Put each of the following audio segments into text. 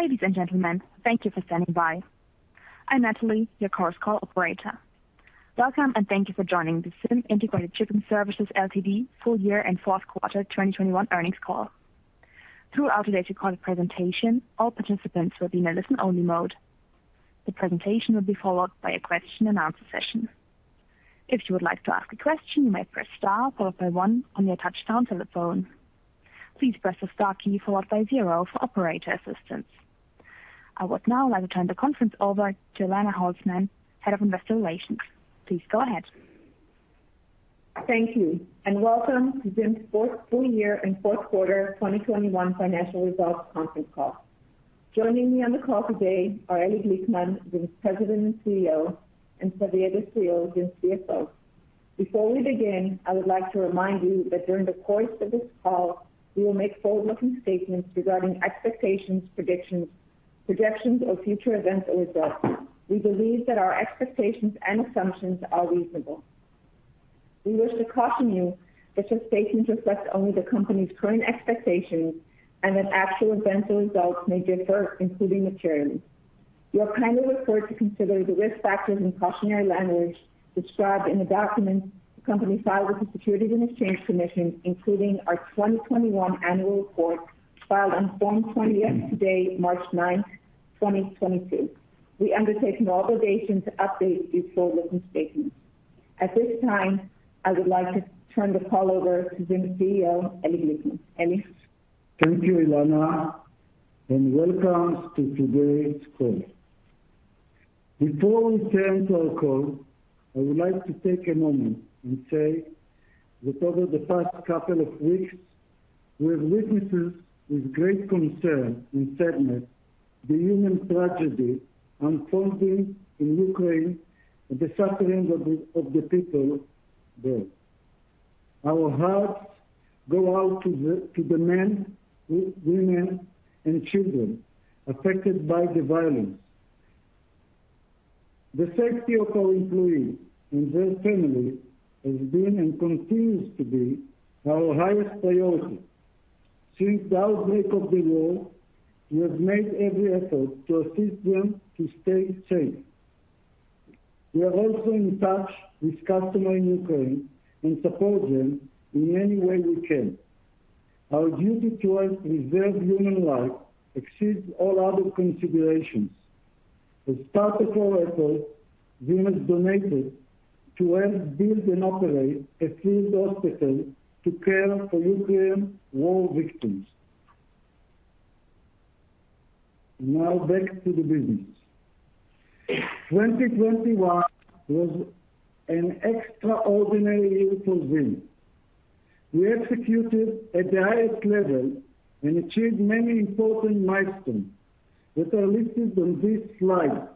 Ladies and gentlemen, thank you for standing by. I'm Natalie, your course call operator. Welcome and thank you for joining the ZIM Integrated Shipping Services Ltd full year and fourth quarter 2021 earnings call. Throughout today's recorded presentation, all participants will be in a listen-only mode. The presentation will be followed by a question-and-answer session. If you would like to ask a question, you may press star followed by one on your touchtone telephone. Please press the star key followed by zero for operator assistance. I would now like to turn the conference over to Elana Holzman, Head of Investor Relations. Please go ahead. Thank you and welcome to ZIM's fourth full year and fourth quarter 2021 financial results conference call. Joining me on the call today are Eli Glickman, ZIM's President and CEO, and Xavier Destriau, ZIM's CFO. Before we begin, I would like to remind you that during the course of this call, we will make forward-looking statements regarding expectations, predictions, projections of future events or results. We believe that our expectations and assumptions are reasonable. We wish to caution you that such statements reflect only the company's current expectations and that actual events or results may differ, including materially. You are kindly referred to consider the risk factors and cautionary language described in the documents the company filed with the Securities and Exchange Commission, including our 2021 annual report filed on Form 20-F to date, March 9, 2022. We undertake no obligation to update these forward-looking statements. At this time, I would like to turn the call over to ZIM's CEO, Eli Glickman. Eli. Thank you, Elana, and welcome to today's call. Before we turn to our call, I would like to take a moment and say that over the past couple of weeks, we have witnessed with great concern and sadness the human tragedy unfolding in Ukraine and the suffering of the people there. Our hearts go out to the men, women, and children affected by the violence. The safety of our employees and their families has been and continues to be our highest priority. Since the outbreak of the war, we have made every effort to assist them to stay safe. We are also in touch with customers in Ukraine and support them in any way we can. Our duty to preserve human life exceeds all other considerations. As part of our effort, ZIM has donated to help build and operate a field hospital to care for Ukraine war victims. Now back to the business. 2021 was an extraordinary year for ZIM. We executed at the highest level and achieved many important milestones that are listed on this slide.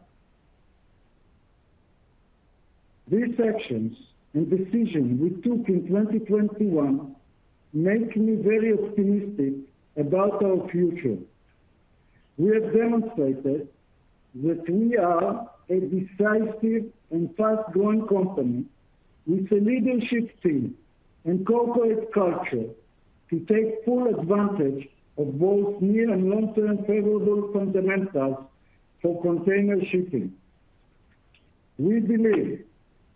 These actions and decisions we took in 2021 make me very optimistic about our future. We have demonstrated that we are a decisive and fast-growing company with a leadership team and corporate culture to take full advantage of both near and long-term favorable fundamentals for container shipping. We believe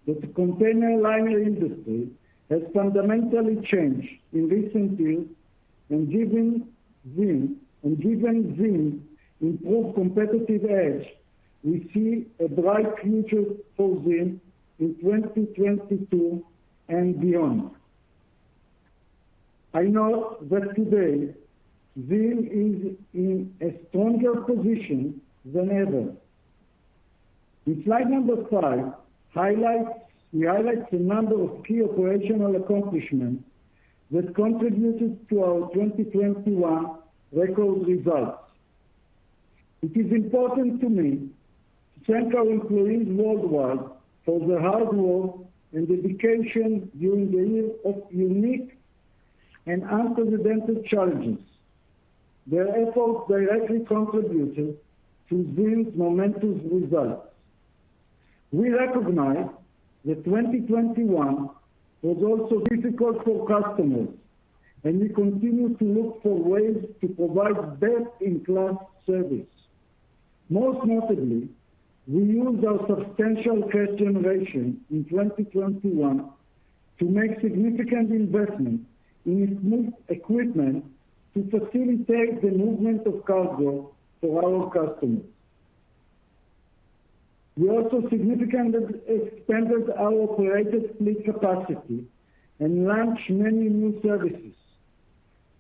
that the container liner industry has fundamentally changed in recent years, and given ZIM's improved competitive edge, we see a bright future for ZIM in 2022 and beyond. I know that today ZIM is in a stronger position than ever. The slide number five highlights. We highlight a number of key operational accomplishments that contributed to our 2021 record results. It is important to me to thank our employees worldwide for their hard work and dedication during the year of unique and unprecedented challenges. Their efforts directly contributed to ZIM's momentous results. We recognize that 2021 was also difficult for customers, and we continue to look for ways to provide best-in-class service. Most notably, we used our substantial cash generation in 2021 to make significant investments in equipment to facilitate the movement of cargo for our customers. We also significantly expanded our operated fleet capacity and launched many new services.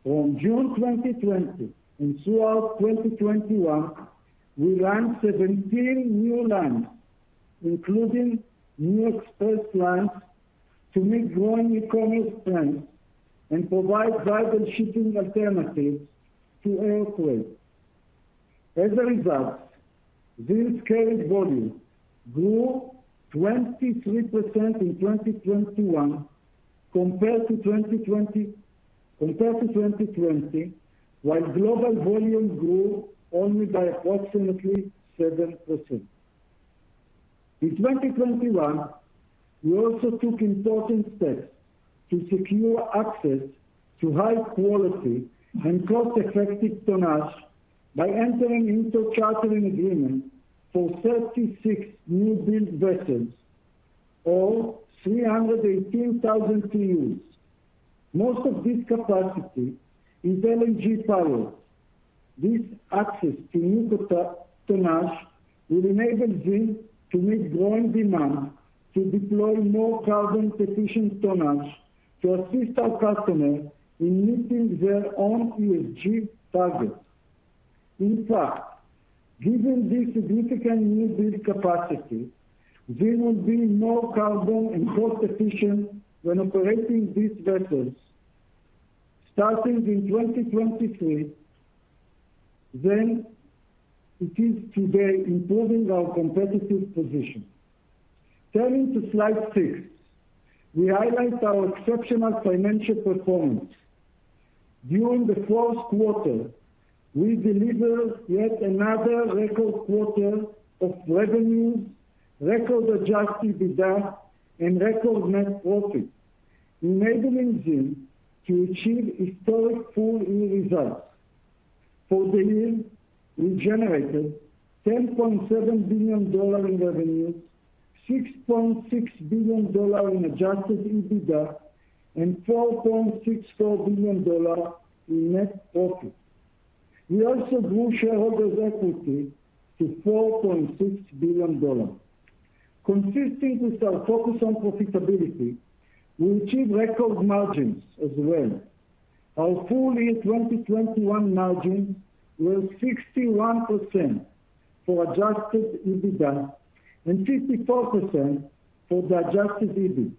From June 2020 and throughout 2021, we launched 17 new lines, including new express lines to meet growing e-commerce trends and provide vital shipping alternatives to airplanes. As a result, ZIM's carried volume grew 23% in 2021 compared to 2020, while global volume grew only by approximately 7%. In 2021, we also took important steps to secure access to high quality and cost-effective tonnage by entering into chartering agreement for 36 new build vessels or 318,000 TEUs. Most of this capacity is LNG powered. This access to new tonnage will enable ZIM to meet growing demand to deploy more carbon efficient tonnage to assist our customers in meeting their own ESG targets. In fact, given this significant new build capacity, ZIM will be more carbon and cost efficient when operating these vessels starting in 2023 than it is today, improving our competitive position. Turning to slide six. We highlight our exceptional financial performance. During the first quarter, we delivered yet another record quarter of revenues, record adjusted EBITDA, and record net profit, enabling ZIM to achieve historic full year results. For the year, we generated $10.7 billion in revenue, $6.6 billion in adjusted EBITDA, and $4.64 billion in net profit. We also grew shareholders equity to $4.6 billion. Consistent with our focus on profitability, we achieved record margins as well. Our full year 2021 margin was 61% for adjusted EBITDA and 54% for the adjusted EBIT.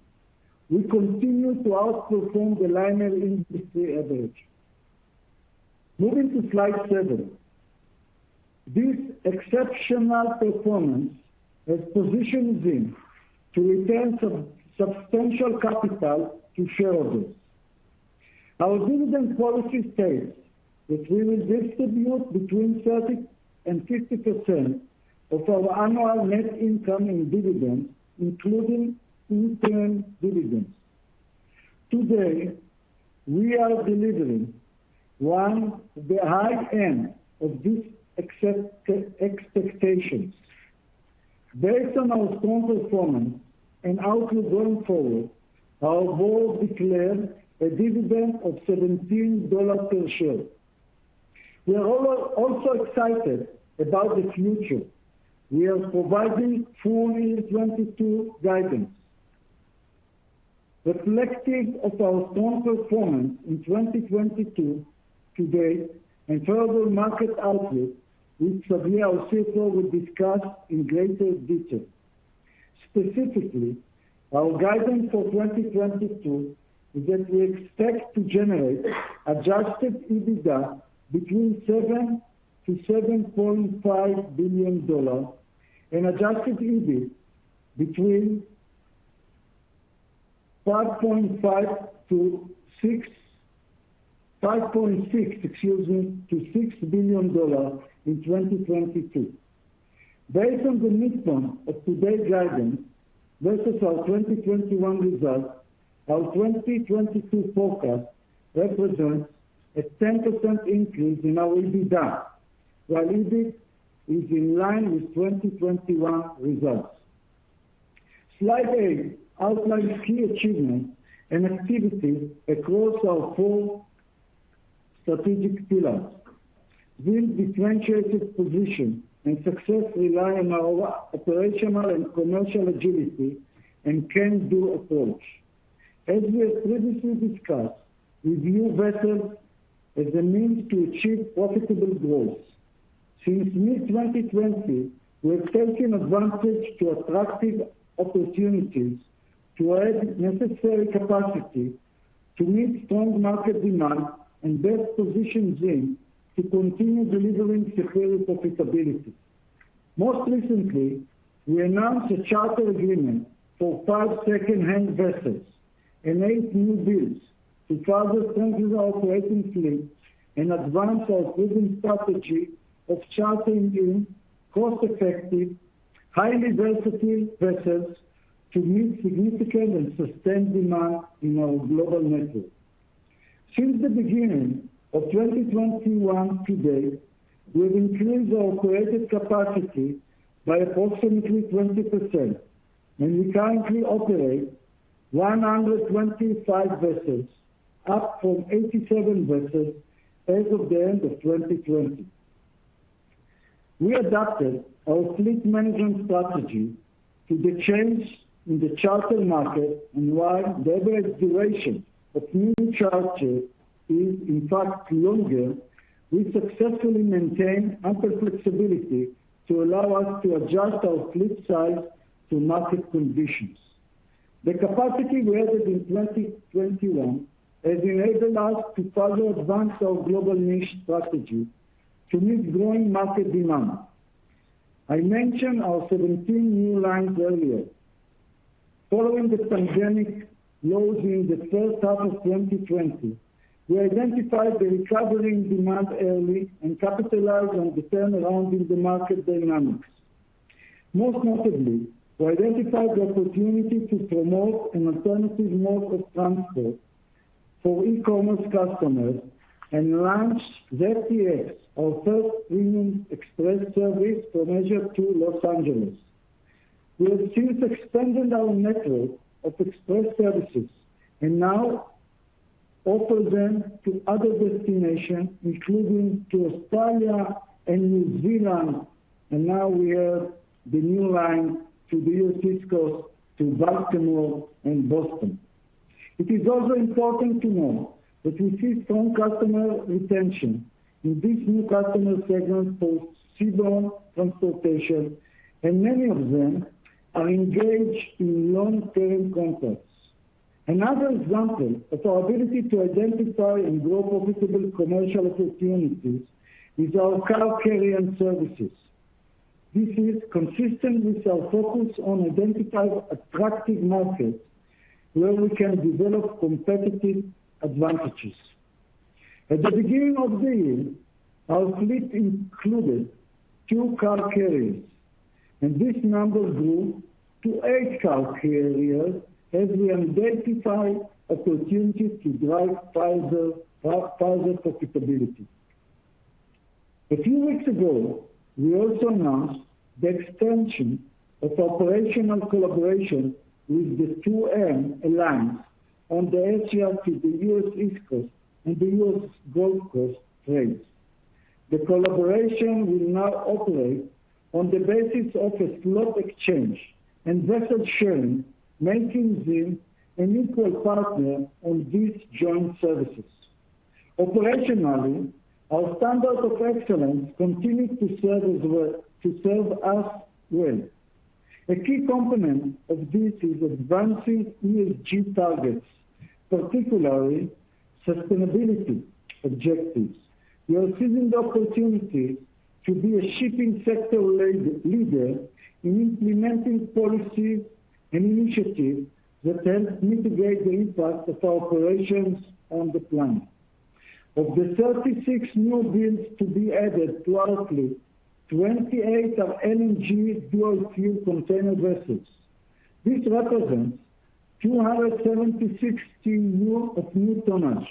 We continue to outperform the liner industry average. Moving to slide seven. This exceptional performance has positioned ZIM to return substantial capital to shareholders. Our dividend policy states that we will distribute between 30% and 50% of our annual net income in dividends, including interim dividends. Today, we are delivering on the high end of these expectations. Based on our strong performance and outlook going forward, our board declared a dividend of $17 per share. We are also excited about the future. We are providing full year 2022 guidance, reflecting our strong performance in 2022 to date and favorable market outlook, which Xavier Destriau our CFO will discuss in greater detail. Specifically, our guidance for 2022 is that we expect to generate adjusted EBITDA between $7 billion-$7.5 billion and adjusted EBIT between $5.6 billion, excuse me, to $6 billion in 2022. Based on the midpoint of today's guidance versus our 2021 results, our 2022 forecast represents a 10% increase in our EBITDA. While EBIT is in line with 2021 results. Slide eight outlines key achievements and activities across our four strategic pillars. ZIM's differentiated position and success rely on our operational and commercial agility and can-do approach. We have previously discussed, we view vessels as a means to achieve profitable growth. Since mid-2020, we have taken advantage of attractive opportunities to add necessary capacity to meet strong market demand and best position ZIM to continue delivering secure profitability. Most recently, we announced a charter agreement for five secondhand vessels and eight new builds to further strengthen our operating fleet and advance our proven strategy of chartering in cost-effective, highly versatile vessels to meet significant and sustained demand in our global network. Since the beginning of 2021 to date, we have increased our operating capacity by approximately 20%, and we currently operate 125 vessels, up from 87 vessels as of the end of 2020. We adapted our fleet management strategy to the change in the charter market, and while the average duration of new charter is in fact longer, we successfully maintain upper flexibility to allow us to adjust our fleet size to market conditions. The capacity we added in 2021 has enabled us to further advance our global niche strategy to meet growing market demand. I mentioned our 17 new lines earlier. Following the pandemic lows in the first half of 2020, we identified the recovering demand early and capitalized on the turnaround in the market dynamics. Most notably, we identified the opportunity to promote an alternative mode of transport for e-commerce customers and launched ZEX, our first premium express service from Asia to Los Angeles. We have since expanded our network of express services and now offer them to other destinations, including to Australia and New Zealand, and now we have the new line to the U.S. East Coast, to Baltimore and Boston. It is also important to note that we see strong customer retention in this new customer segment for seaborne transportation, and many of them are engaged in long-term contracts. Another example of our ability to identify and grow profitable commercial opportunities is our car carrier services. This is consistent with our focus on identifying attractive markets where we can develop competitive advantages. At the beginning of the year, our fleet included two car carriers, and this number grew to eight car carriers as we identified opportunities to drive further profitability. A few weeks ago, we also announced the extension of operational collaboration with the 2M Alliance on the NGL to the U.S. East Coast and the U.S. Gulf Coast trades. The collaboration will now operate on the basis of a slot exchange and vessel sharing, making ZIM an equal partner on these joint services. Operationally, our standard of excellence continues to serve us well. A key component of this is advancing ESG targets, particularly sustainability objectives. We are seizing the opportunity to be a shipping sector leader in implementing policies and initiatives that help mitigate the impact of our operations on the planet. Of the 36 new builds to be added to our fleet, 28 are LNG dual fuel container vessels. This represents 276 TEU of new tonnage.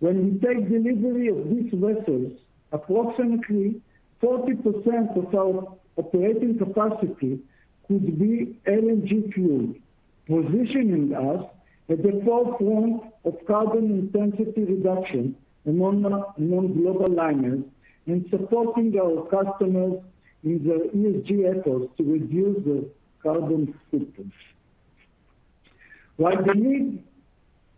When we take delivery of these vessels, approximately 40% of our operating capacity could be LNG fueled, positioning us at the forefront of carbon intensity reduction among global liners and supporting our customers in their ESG efforts to reduce their carbon footprint. While the need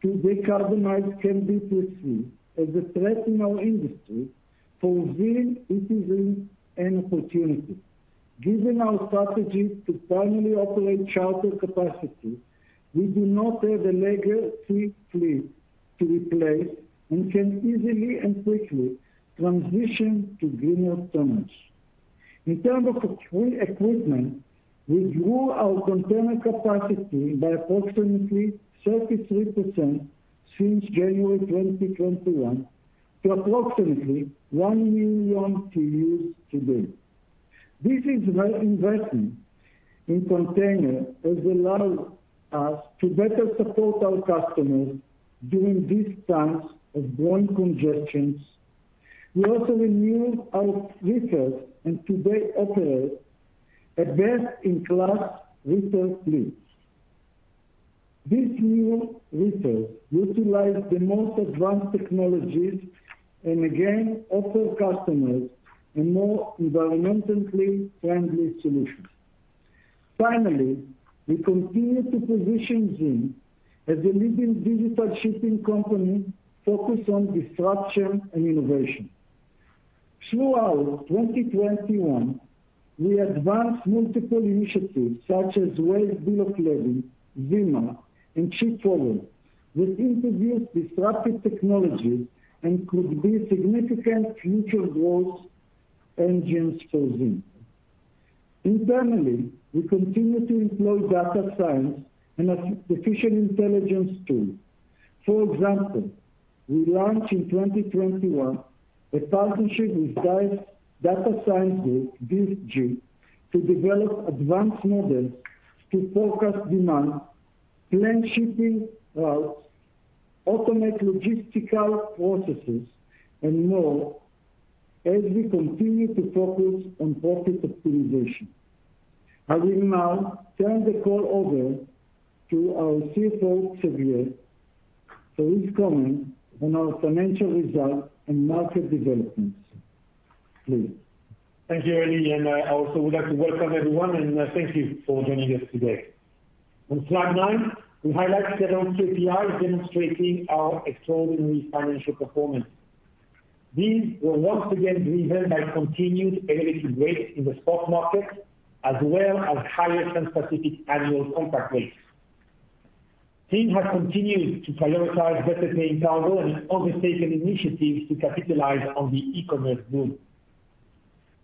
to decarbonize can be perceived as a threat in our industry, for ZIM, it is an opportunity. Given our strategy to primarily operate charter capacity, we do not have a legacy fleet to replace and can easily and quickly transition to greener tonnage. In terms of free equipment, we grew our container capacity by approximately 33% since January 2021 to approximately 1 million TEUs today. This is why investing in containers has allowed us to better support our customers during these times of growing congestions. We also renewed our reefers and today operate a best-in-class reefer fleet. These new reefers utilize the most advanced technologies and again, offer customers a more environmentally friendly solution. Finally, we continue to position ZIM as a leading digital shipping company focused on disruption and innovation. Throughout 2021, we advanced multiple initiatives such as Wave BL bill of lading, ZIMMA, and Ship4wd, which introduced disruptive technologies and could be significant future growth engines for ZIM. Internally, we continue to employ data science and artificial intelligence tools. For example, we launched in 2021 a partnership with Data Science Group, DSG, to develop advanced models to forecast demand, plan shipping routes, automate logistical processes and more as we continue to focus on profit optimization. I will now turn the call over to our CFO, Xavier Destriau, for his comments on our financial results and market developments. Please. Thank you, Eli, and I also would like to welcome everyone, and thank you for joining us today. On slide nine, we highlight several KPIs demonstrating our extraordinary financial performance. These were once again driven by continued elevated rates in the spot market, as well as higher Trans-Pacific annual contract rates. ZIM has continued to prioritize vessel de-inventory and other stated initiatives to capitalize on the e-commerce boom,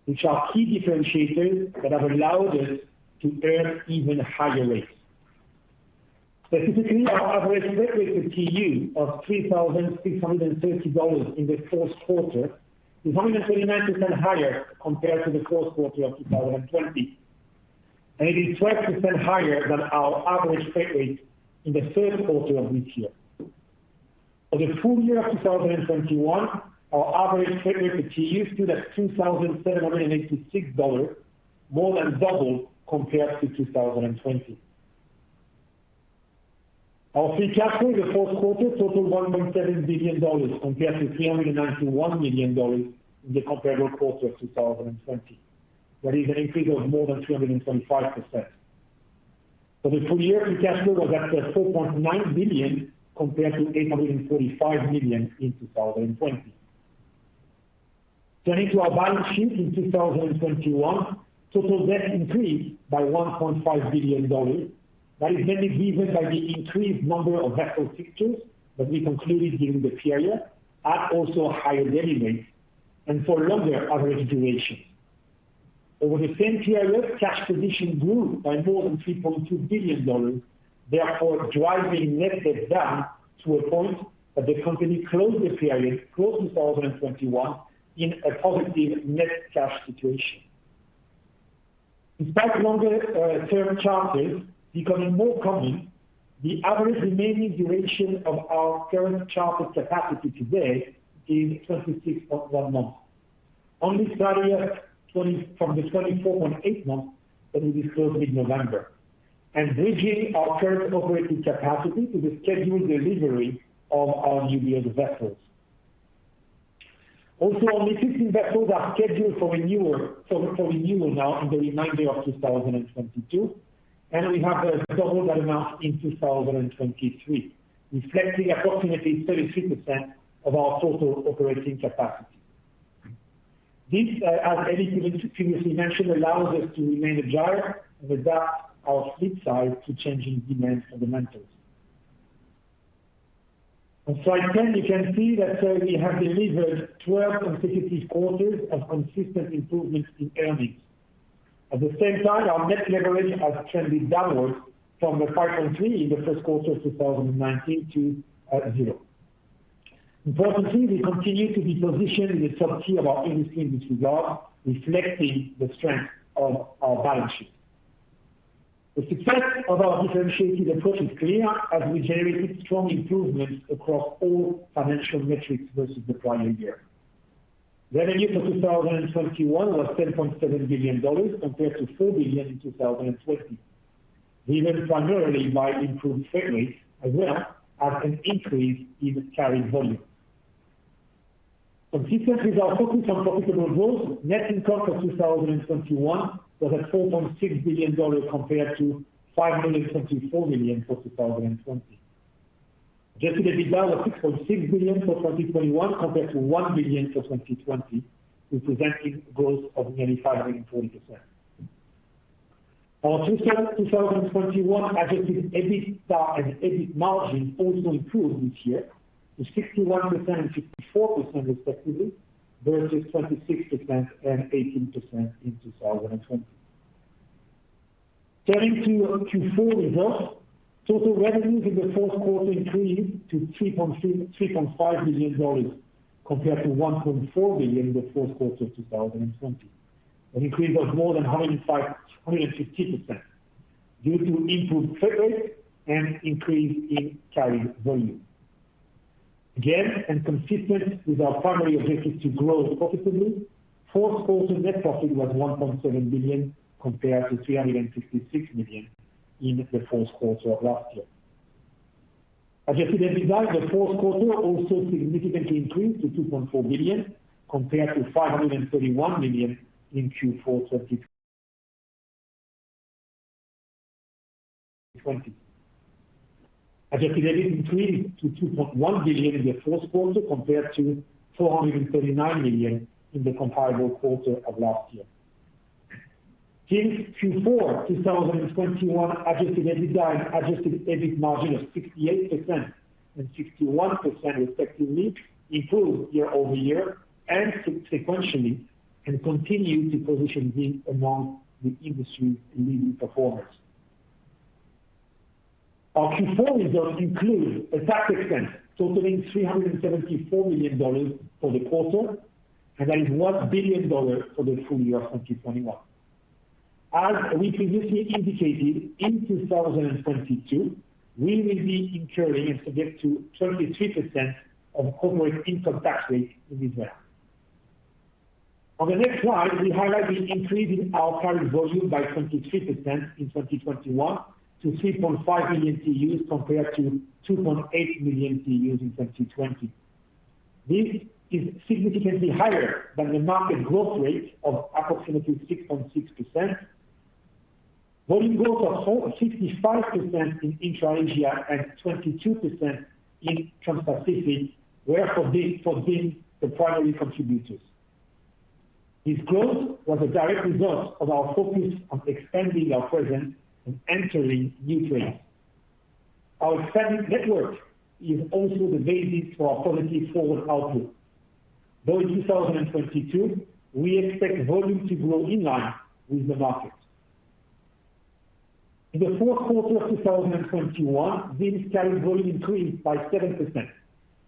which are key differentiators that have allowed us to earn even higher rates. Specifically, our average rate per TEU of $3,630 in the fourth quarter is 179% higher compared to the fourth quarter of 2020, and it is 12% higher than our average freight rate in the first quarter of this year. For the full year of 2021, our average freight rate per TEU stood at $2,786, more than double compared to 2020. Our free cash flow in the fourth quarter totaled $1.7 billion compared to $391 million in the comparable quarter of 2020. That is an increase of more than 225%. For the full year, free cash flow was at $4.9 billion compared to $835 million in 2020. Turning to our balance sheet in 2021, total debt increased by $1.5 billion. That is mainly driven by the increased number of vessel fixtures that we concluded during the period, as well as higher daily rates and for longer average duration. Over the same period, cash position grew by more than $3.2 billion. Therefore, driving net debt down to a point that the company closed 2021 in a positive net cash situation. Despite longer term charters becoming more common, the average remaining duration of our current chartered capacity today is 26.1 months, up from the 24.8 months that we disclosed in November, and bridging our current operating capacity to the scheduled delivery of our newbuild vessels. Also, our existing vessels are scheduled for renewal now in the remainder of 2022, and we have double that amount in 2023, reflecting approximately 33% of our total operating capacity. This, as Eli previously mentioned, allows us to remain agile and adapt our fleet size to changing demand fundamentals. On slide 10, you can see that we have delivered 12 consecutive quarters of consistent improvements in earnings. At the same time, our net leverage has trended downwards from the 5.3 in the first quarter of 2019 to zero. Importantly, we continue to be positioned in the sub-tier of our industry, which we are reflecting the strength of our balance sheet. The success of our differentiated approach is clear as we generated strong improvements across all financial metrics versus the prior year. Revenue for 2021 was $10.7 billion compared to $4 billion in 2020, driven primarily by improved freight rates as well as an increase in carried volume. Consistent with our focus on profitable growth, net income for 2021 was at $4.6 billion compared to $24 million for 2020. Adjusted EBITDA of $6.6 billion for 2021 compared to $1 billion for 2020, representing growth of nearly 540%. Our 2021 adjusted EBITDA and EBIT margin also improved this year to 61% and 54% respectively, versus 26% and 18% in 2020. Turning to Q4 results. Total revenues in the fourth quarter increased to $3.5 billion compared to $1.4 billion in the fourth quarter of 2020. An increase of more than 150% due to improved freight rates and increase in carried volume. Again, consistent with our primary objective to grow profitably, fourth quarter net profit was $1.7 billion, compared to $356 million in the fourth quarter of last year. Adjusted EBITDA for the fourth quarter also significantly increased to $2.4 billion, compared to $531 million in Q4 2020. Adjusted EBIT increased to $2.1 billion in the fourth quarter, compared to $439 million in the comparable quarter of last year. The Q4 2021 Adjusted EBITDA and Adjusted EBIT margin of 68% and 61% respectively improved year-over-year and sequentially and continue to position ZIM among the industry-leading performers. Our Q4 results include a tax expense totaling $374 million for the quarter, and that is $1 billion for the full year of 2021. As we previously indicated, in 2022, we will be incurring and subject to 33% of corporate income tax rate in Israel. On the next slide, we highlight the increase in our carried volume by 23% in 2021 to 3.5 million TEUs compared to 2.8 million TEUs in 2020. This is significantly higher than the market growth rate of approximately 6.6%. Volume growth of 65% in intra-Asia and 22% in Transpacific were for ZIM, for ZIM the primary contributors. This growth was a direct result of our focus on expanding our presence and entering new trades. Our sales network is also the basis for our positive forward output. Though in 2022, we expect volume to grow in line with the market. In the fourth quarter of 2021, ZIM carried volume increased by 7%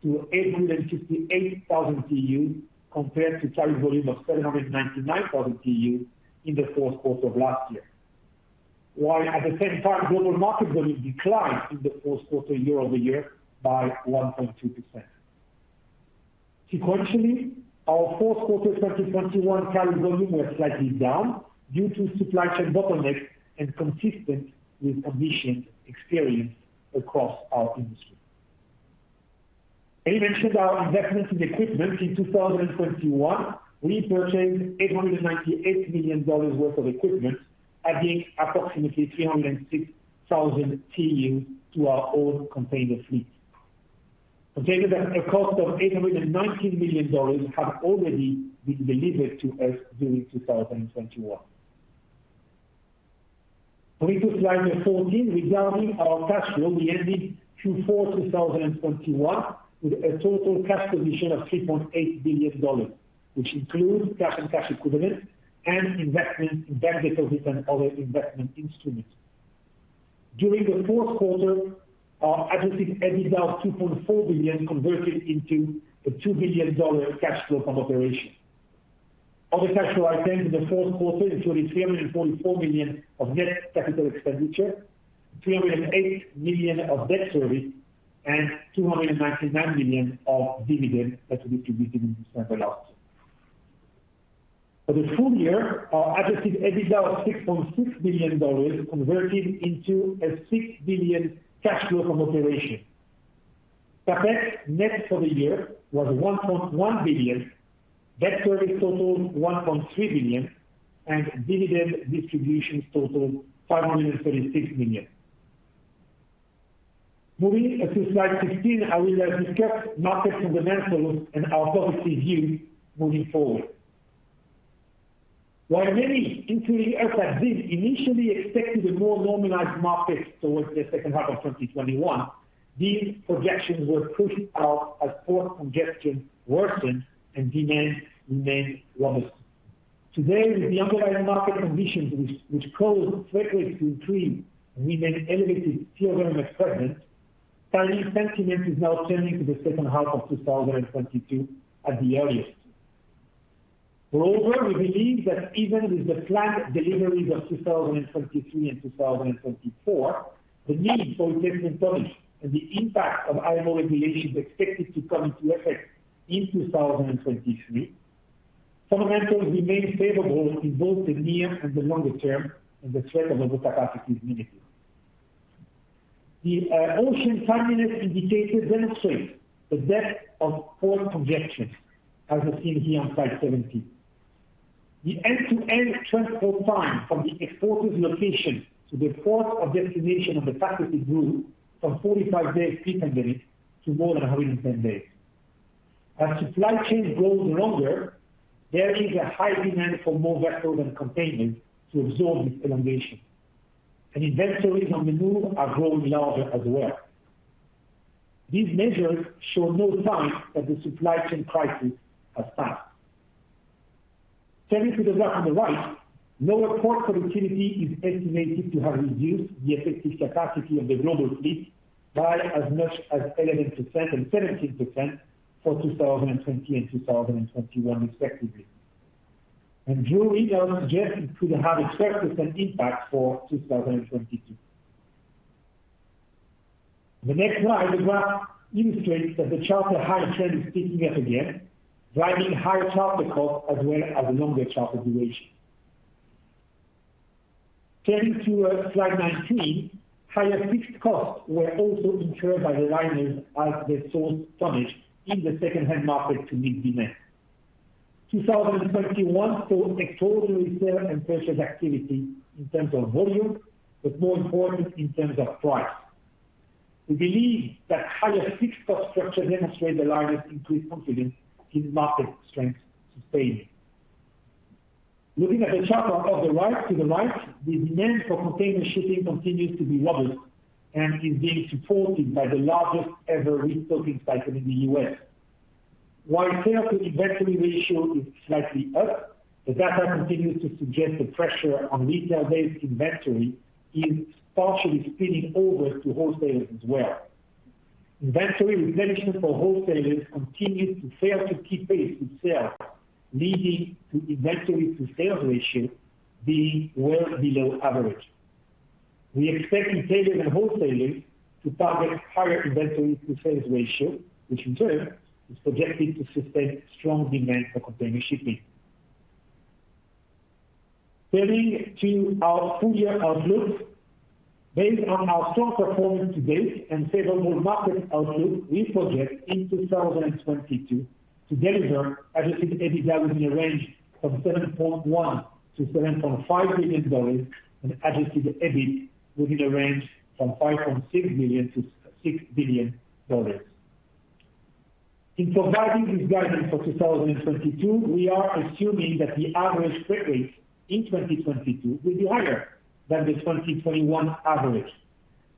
to 858,000 TEU compared to carried volume of 799,000 TEU in the fourth quarter of last year. While at the same time, global market volume declined in the fourth quarter year-over-year by 1.2%. Sequentially, our fourth quarter 2021 carry volume was slightly down due to supply chain bottlenecks and consistent with conditions experienced across our industry. I mentioned our investments in equipment. In 2021, we purchased $898 million worth of equipment, adding approximately 306,000 TEU to our owned container fleet. Containers at a cost of $819 million have already been delivered to us during 2021. Moving to slide 14, regarding our cash flow, we ended Q4 2021 with a total cash position of $3.8 billion, which includes cash and cash equivalents and investments in bank deposits and other investment instruments. During the fourth quarter, our adjusted EBITDA of $2.4 billion converted into a $2 billion cash flow from operations. Other cash flow items in the fourth quarter included $344 million of net capital expenditure, $308 million of debt service, and $299 million of dividend that we distributed in December last. For the full year, our adjusted EBITDA of $6.6 billion converted into a $6 billion cash flow from operations. CapEx net for the year was $1.1 billion, debt service totaled $1.3 billion, and dividend distributions totaled $536 million. Moving to slide 15, I will discuss market fundamentals and our positive view moving forward. While many, including us at ZIM, initially expected a more normalized market towards the second half of 2021, these projections were pushed out as port congestion worsened and demand remained robust. Today, with the underlying market conditions which caused freight rates to increase and remain elevated still very much present, timing sentiment is now turning to the second half of 2022 at the earliest. Moreover, we believe that even with the planned deliveries of 2023 and 2024, the need for additional tonnage and the impact of IMO regulations expected to come into effect in 2023, fundamentals remain favorable in both the near and the longer term, and the threat of overcapacity is minimal. The ocean timing indicators demonstrate the depth of port congestion as we've seen here on slide 17. The end-to-end transport time from the exporter's location to the port of destination of the factory grew from 45 days pre-pandemic to more than 110 days. As supply chains grow longer, there is a high demand for more vessels and containers to absorb this elongation. Inventories on the move are growing larger as well. These measures show no signs that the supply chain crisis has passed. Turning to the graph on the right, lower port productivity is estimated to have reduced the effective capacity of the global fleet by as much as 11% and 17% for 2020 and 2021 respectively. Drewry suggests it could have a 12% impact for 2022. The next slide, the graph illustrates that the charter hire trend is picking up again, driving higher charter cost as well as longer charter duration. Turning to slide 19, higher fixed costs were also incurred by the liners as they source tonnage in the second-hand market to meet demand. 2021 saw extraordinary sale and purchase activity in terms of volume, but more important in terms of price. We believe that higher fixed cost structure demonstrate the liners increased confidence in market strength sustaining. Looking at the chart on the right, the demand for container shipping continues to be robust and is being supported by the largest ever restocking cycle in the U.S. While sales to inventory ratio is slightly up, the data continues to suggest the pressure on retail-based inventory is partially spilling over to wholesalers as well. Inventory replenishment for wholesalers continues to fail to keep pace with sales, leading to inventory to sales ratio being well below average. We expect retailers and wholesalers to target higher inventory to sales ratio, which in turn is projected to sustain strong demand for container shipping. Turning to our full year outlook. Based on our strong performance to date and favorable market outlook, we project in 2022 adjusted EBITDA within a range of $7.1 billion-$7.5 billion and adjusted EBIT within a range from $5.6 billion-$6 billion. In providing this guidance for 2022, we are assuming that the average freight rate in 2022 will be higher than the 2021 average,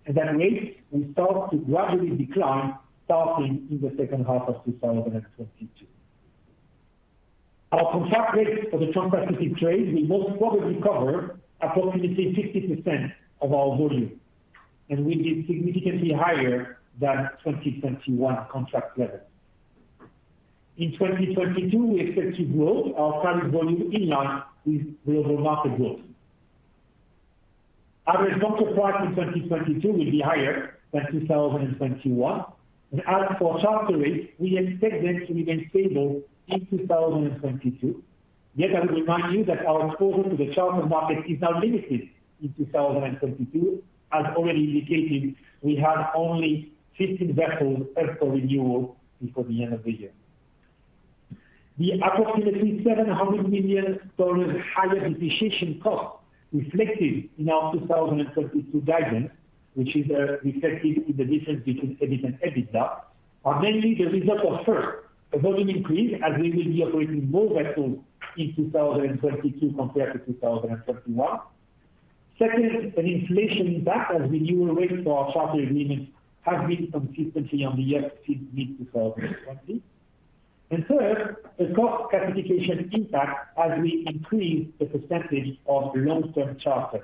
and that rates will start to gradually decline starting in the second half of 2022. Our contract rates for the Transpacific trade will most probably cover approximately 60% of our volume, and will be significantly higher than 2021 contract level. In 2022, we expect to grow our current volume in line with global market growth. Average charter price in 2022 will be higher than 2021. As for charter rates, we expect them to remain stable in 2022. Yet I will remind you that our exposure to the charter market is now limited in 2022. As already indicated, we have only 15 vessels up for renewal before the end of the year. The approximately $700 million higher depreciation cost reflected in our 2022 guidance, which is reflected in the difference between EBIT and EBITDA, are mainly the result of, first, a volume increase as we will be operating more vessels in 2022 compared to 2021. Second, an inflation impact as renewal rates for our charter agreements have been consistently up on the year since mid-2020. Third, the cost classification impact as we increase the percentage of long-term charters.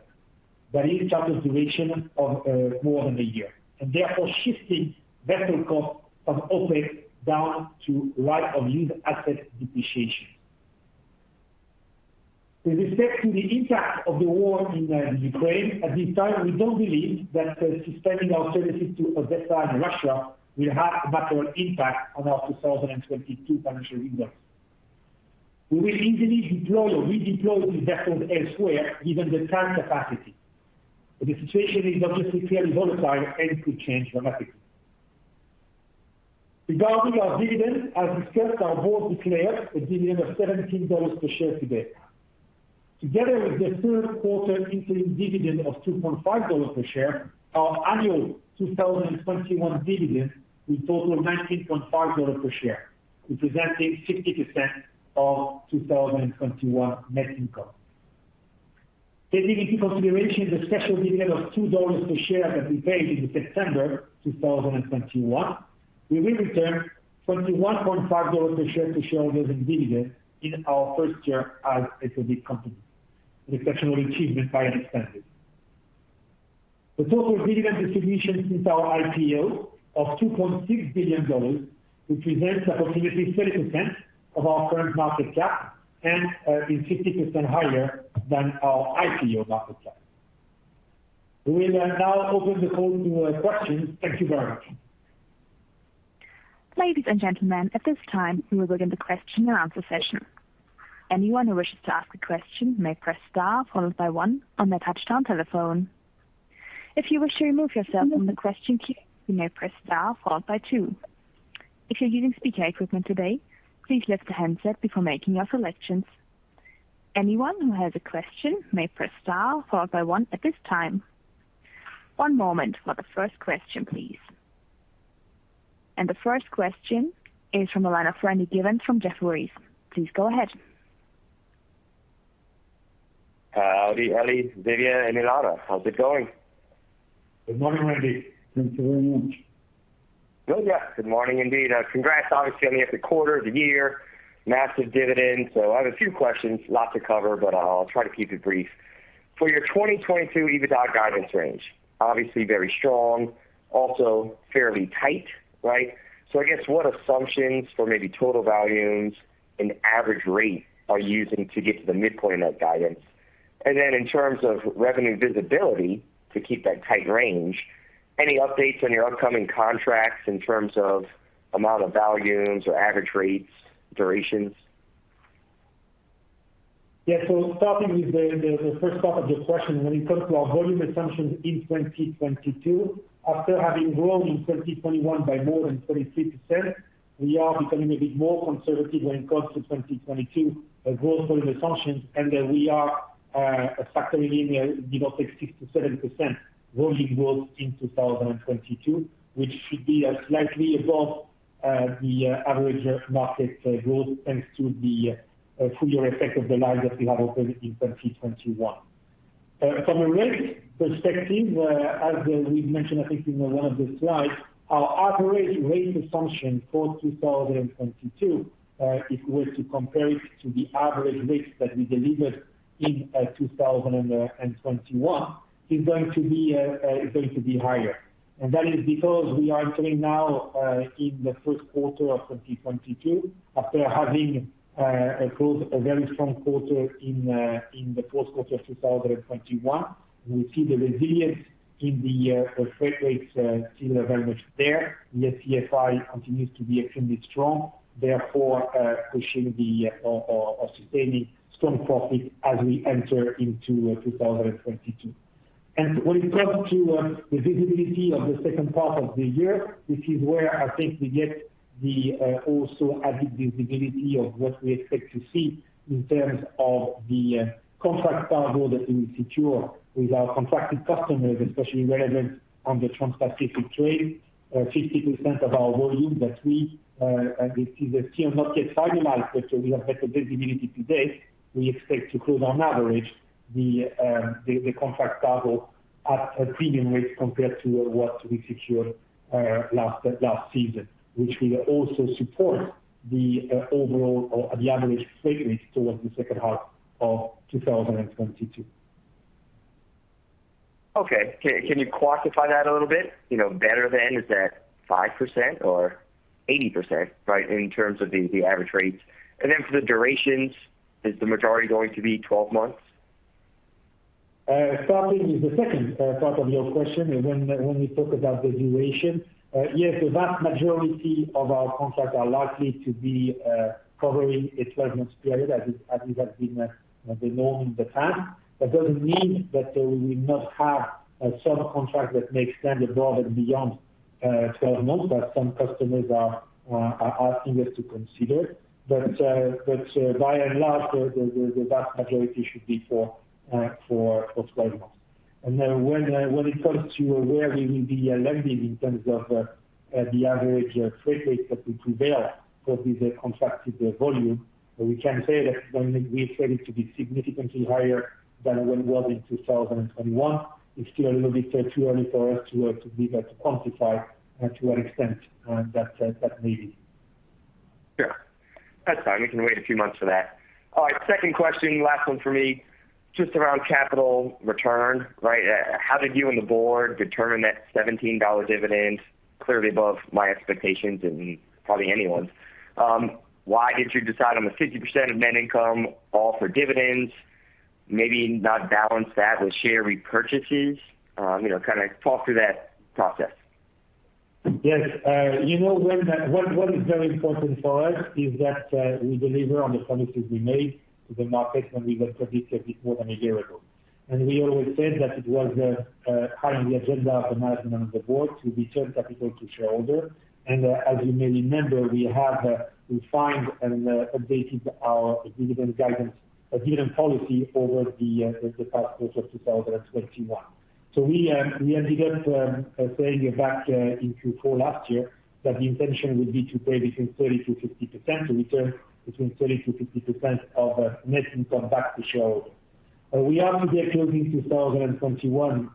That is charter duration of more than a year, and therefore shifting vessel costs from operating down to right of use asset depreciation. With respect to the impact of the war in Ukraine, at this time, we don't believe that suspending our services to Odessa and Russia will have a material impact on our 2022 financial results. We will indeed deploy or redeploy these vessels elsewhere, given the ton capacity. The situation is obviously fairly volatile and could change dramatically. Regarding our dividend, as discussed, our board declared a dividend of $17 per share today. Together with the third quarter interim dividend of $2.5 per share, our annual 2021 dividend will total $19.5 per share, representing 60% of 2021 net income. Taking into consideration the special dividend of $2 per share that we paid in September 2021, we will return $21.5 per share to shareholders in dividends in our first year as a public company. An exceptional achievement by any standard. The total dividend distribution since our IPO of $2.6 billion represents approximately 30% of our current market cap and is 50% higher than our IPO market cap. We will now open the call to questions. Thank you very much. Ladies and gentlemen, at this time, we will begin the question and answer session. Anyone who wishes to ask a question may press star followed by one on their touchtone telephone. If you wish to remove yourself from the question queue, you may press star followed by two. If you're using speaker equipment today, please lift the handset before making your selections. Anyone who has a question may press star followed by one at this time. One moment for the first question, please. The first question is from the line of Randy Giveans from Jefferies. Please go ahead. Howdy, Eli, Xavier, and Elana. How's it going? Good morning, Randy. Thank you very much. Oh, yeah. Good morning, indeed. Congrats, obviously, on the epic quarter, the year, massive dividend. I have a few questions, lot to cover, but I'll try to keep it brief. For your 2022 EBITDA guidance range, obviously very strong, also fairly tight, right? I guess what assumptions for maybe total volumes and average rate are you using to get to the midpoint of that guidance? In terms of revenue visibility to keep that tight range, any updates on your upcoming contracts in terms of amount of volumes or average rates, durations? Yeah. Starting with the first part of your question, when it comes to our volume assumptions in 2022, after having grown in 2021 by more than 33%, we are becoming a bit more conservative when it comes to 2022 growth volume assumptions, and we are factoring in a below 60%-70% volume growth in 2022, which should be slightly above the average market growth, thanks to the full year effect of the lines that we have opened in 2021. From a rate perspective, as we've mentioned, I think in one of the slides, our operating rate assumption for 2022, if we were to compare it to the average rates that we delivered in 2021, is going to be higher. That is because we are entering now in the first quarter of 2022 after having a growth, a very strong quarter in the fourth quarter of 2021. We see the resilience in the freight rates still are very much there. The SCFI continues to be extremely strong, therefore, sustaining strong profit as we enter into 2022. When it comes to the visibility of the second part of the year, this is where I think we get the also added visibility of what we expect to see in terms of the contract cargo that we secure with our contracted customers, especially relevant on the Transpacific trade. 50% of our volume, and this is still not yet finalized, but we have better visibility today. We expect to close on average the contract cargo at a premium rate compared to what we secured, last season, which will also support the overall or the average freight rate towards the second half of 2022. Okay. Can you quantify that a little bit? You know, better than, is that 5% or 80%, right, in terms of the average rates? Then for the durations, is the majority going to be 12 months? Starting with the second part of your question, when we talk about the duration. Yes, the vast majority of our contracts are likely to be covering a 12-month period, as it has been the norm in the past. That doesn't mean that we will not have some contracts that may extend broader beyond 12 months, but some customers are asking us to consider. By and large, the vast majority should be for 12 months. When it comes to where we will be landing in terms of the average freight rates that will prevail for the contracted volume, we can say that we expect it to be significantly higher than it was in 2021. It's still a little bit too early for us to be able to quantify to what extent that may be. Sure. That's fine. We can wait a few months for that. All right, second question, last one for me. Just around capital return, right? How did you and the board determine that $17 dividend, clearly above my expectations and probably anyone's? Why did you decide on the 50% of net income, all for dividends, maybe not balance that with share repurchases? You know, kind of talk through that process. Yes. You know, what is very important for us is that we deliver on the promises we made to the market when we went public more than a year ago. We always said that it was high on the agenda of the management and the board to return capital to shareholders. As you may remember, we have refined and updated our dividend guidance, dividend policy over the first quarter of 2021. We ended up saying back in Q4 last year that the intention would be to pay between 30%-50%, to return between 30%-50% of net income back to shareholders. We are closing 2021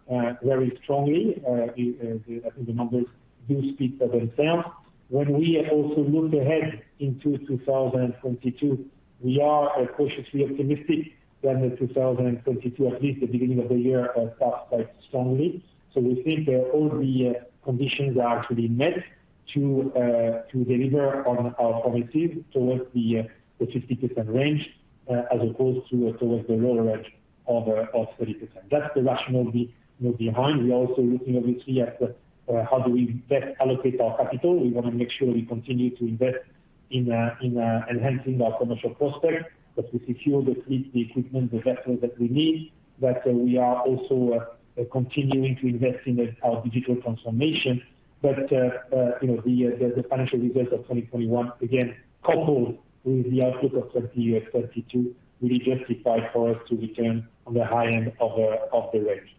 very strongly. The numbers do speak for themselves. When we also look ahead into 2022, we are cautiously optimistic that 2022, at least the beginning of the year, starts quite strongly. We think that all the conditions are actually met to deliver on our promises towards the 50% range, as opposed to towards the lower edge of 30%. That's the rationale behind. We're also looking obviously at how do we best allocate our capital. We want to make sure we continue to invest in enhancing our commercial prospects, that we secure the equipment, the vessels that we need, that we are also continuing to invest in our digital transformation. You know, the financial results of 2021 again, coupled with the outlook of 2022, really justify for us to return on the high end of the range.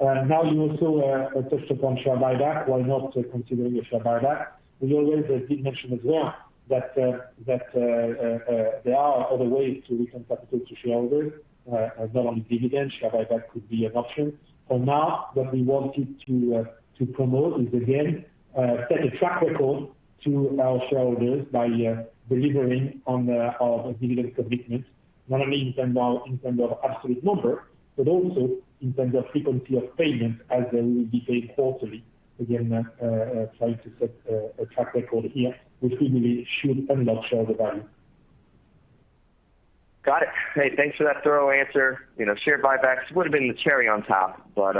Now you also touched upon share buyback. Why not considering a share buyback? We always did mention as well that there are other ways to return capital to shareholders, not only dividends. Share buyback could be an option. For now, what we wanted to promote is, again, set a track record to our shareholders by delivering on our dividend commitment, not only in terms of absolute number, but also in terms of frequency of payment as they will be paid quarterly. Again, trying to set a track record here, which really should unlock shareholder value. Got it. Hey, thanks for that thorough answer. You know, share buybacks would have been the cherry on top, but,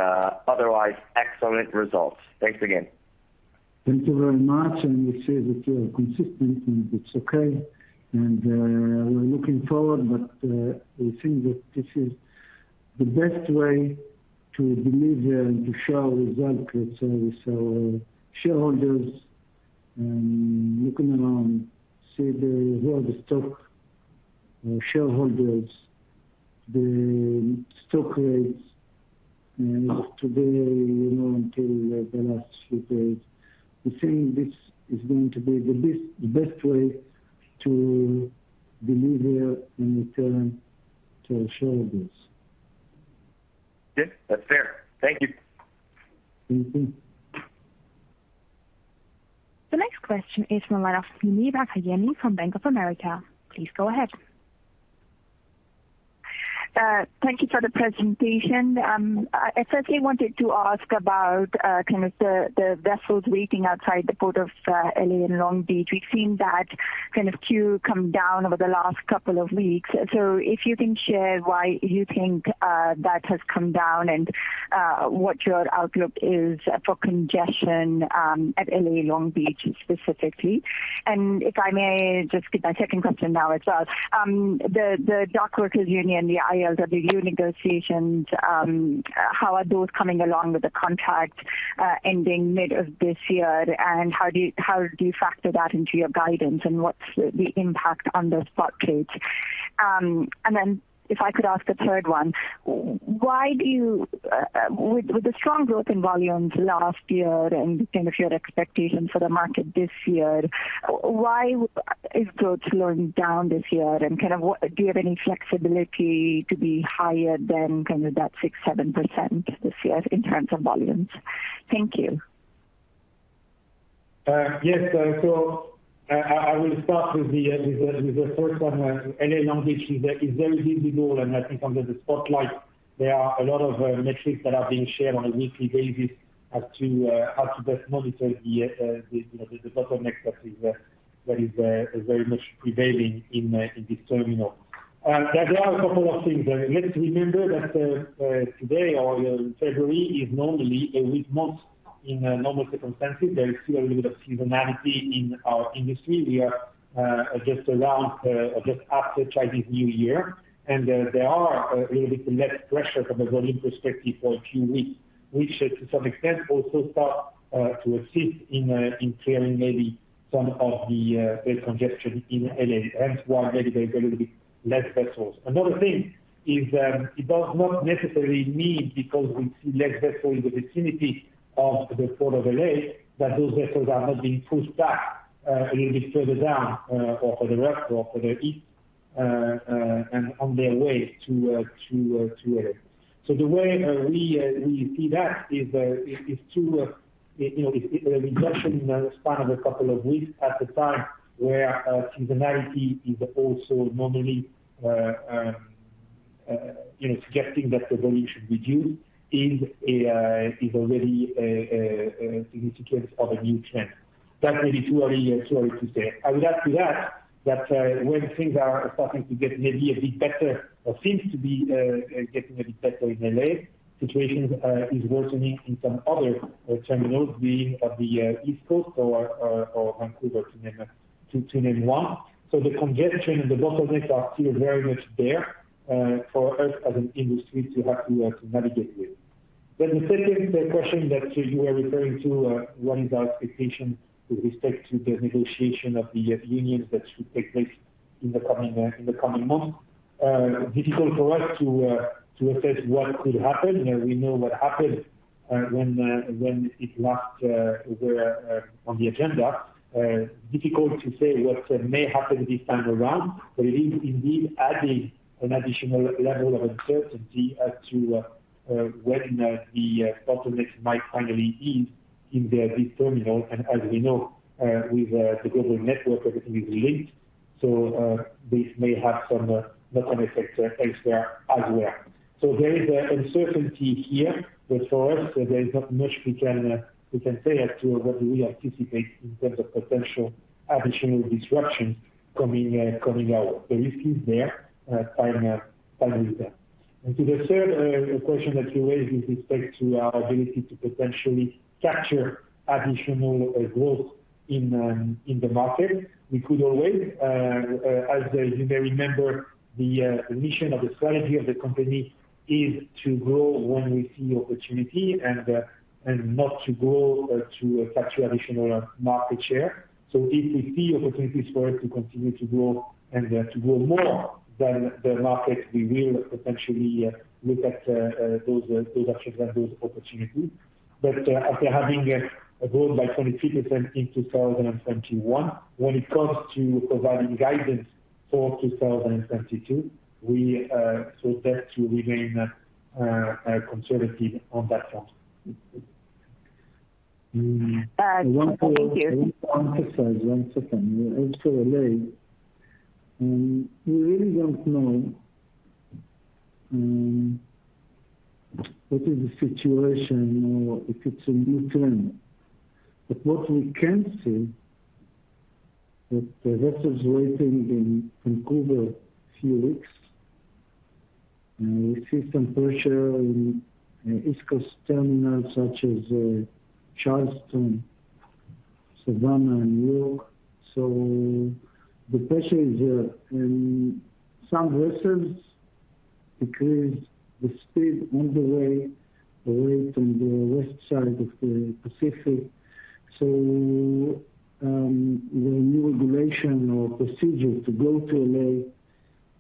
otherwise, excellent results. Thanks again. Thank you very much. You say that you are consistent, and it's okay. We're looking forward, but we think that this is the best way to deliver and to show our results, let's say, with our shareholders and looking around, see where the stock, shareholders, the stock rates today, you know, until the last few days. We think this is going to be the best way to deliver in return to our shareholders. Yes, that's fair. Thank you. Mm-hmm. The next question is from Muneeba Kayani from Bank of America. Please go ahead. Thank you for the presentation. I firstly wanted to ask about kind of the vessels waiting outside the port of L.A. and Long Beach. We've seen that kind of queue come down over the last couple of weeks. If you can share why you think that has come down and what your outlook is for congestion at L.A. Long Beach specifically? If I may just get my second question now as well. The dockworkers union, the ILWU negotiations, how are those coming along with the contract ending mid of this year? How do you factor that into your guidance, and what's the impact on the spot rates? If I could ask a third one. Why, with the strong growth in volumes last year and kind of your expectations for the market this year, is growth slowing down this year? Do you have any flexibility to be higher than kind of that 6%-7% this year in terms of volumes? Thank you. Yes. I will start with the first one. L.A./Long Beach is very visible, and I think under the spotlight, there are a lot of metrics that are being shared on a weekly basis as to how to best monitor the, you know, the bottleneck that is very much prevailing in this terminal. There are a couple of things. Let's remember that today or February is normally a weak month in normal circumstances. There is still a little bit of seasonality in our industry. We are just around or just after Chinese New Year, and there are a little bit less pressure from a volume perspective for a few weeks, which to some extent also start to assist in clearing maybe some of the congestion in L.A., hence why maybe there's a little bit less vessels. Another thing is, it does not necessarily mean because we see less vessels in the vicinity of the Port of L.A., that those vessels are not being pushed back a little bit further down or for the west or for the east and on their way to L.A. The way we see that is through you know if a reduction in the span of a couple of weeks at a time where seasonality is also normally you know suggesting that the volume should reduce is already a significance of a new trend. That may be too early to say. I would add to that that when things are starting to get maybe a bit better or seems to be getting a bit better in L.A., situations is worsening in some other terminals, be it at the East Coast or Vancouver to name one. The congestion and the bottlenecks are still very much there for us as an industry to have to navigate with. The second question that you are referring to, what is our expectation with respect to the negotiation of the unions that should take place in the coming months. Difficult for us to assess what could happen. You know, we know what happened when it last on the agenda. Difficult to say what may happen this time around, but it is indeed adding an additional level of uncertainty as to when the bottleneck might finally ease in this terminal. As we know, with the global network, everything is linked. This may have some knock-on effect elsewhere as well. There is an uncertainty here, but for us, there is not much we can say as to what we anticipate in terms of potential additional disruptions coming our way. The risk is there, time will tell. To the third question that you raised with respect to our ability to potentially capture additional growth in the market, we could always. As you may remember, the mission or the strategy of the company is to grow when we see opportunity and not to grow or to capture additional market share. If we see opportunities for us to continue to grow and to grow more than the market, we will potentially look at those options and those opportunities. After having grown by 22% in 2021, when it comes to providing guidance for 2022, we so tend to remain conservative on that front. Thank you. One thing I want to emphasize. Also L.A., we really don't know what is the situation or if it's a new trend. What we can see that the vessels waiting in Vancouver a few weeks, and we see some pressure in East Coast terminals such as Charleston, Savannah, and New York. The pressure is in some vessels decreased the speed on the way, wait on the west side of the Pacific. The new regulation or procedure to go to L.A.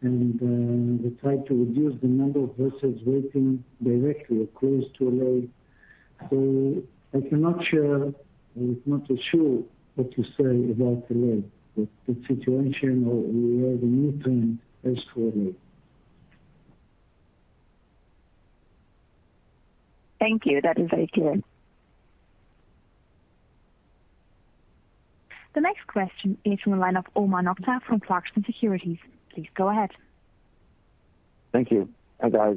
and they try to reduce the number of vessels waiting directly or close to L.A. I cannot share. I'm not too sure what to say about L.A., the situation or we have a new trend as for L.A. Thank you. That is very clear. The next question is from the line of Omar Nokta from Clarksons Securities. Please go ahead. Thank you. Hi, guys.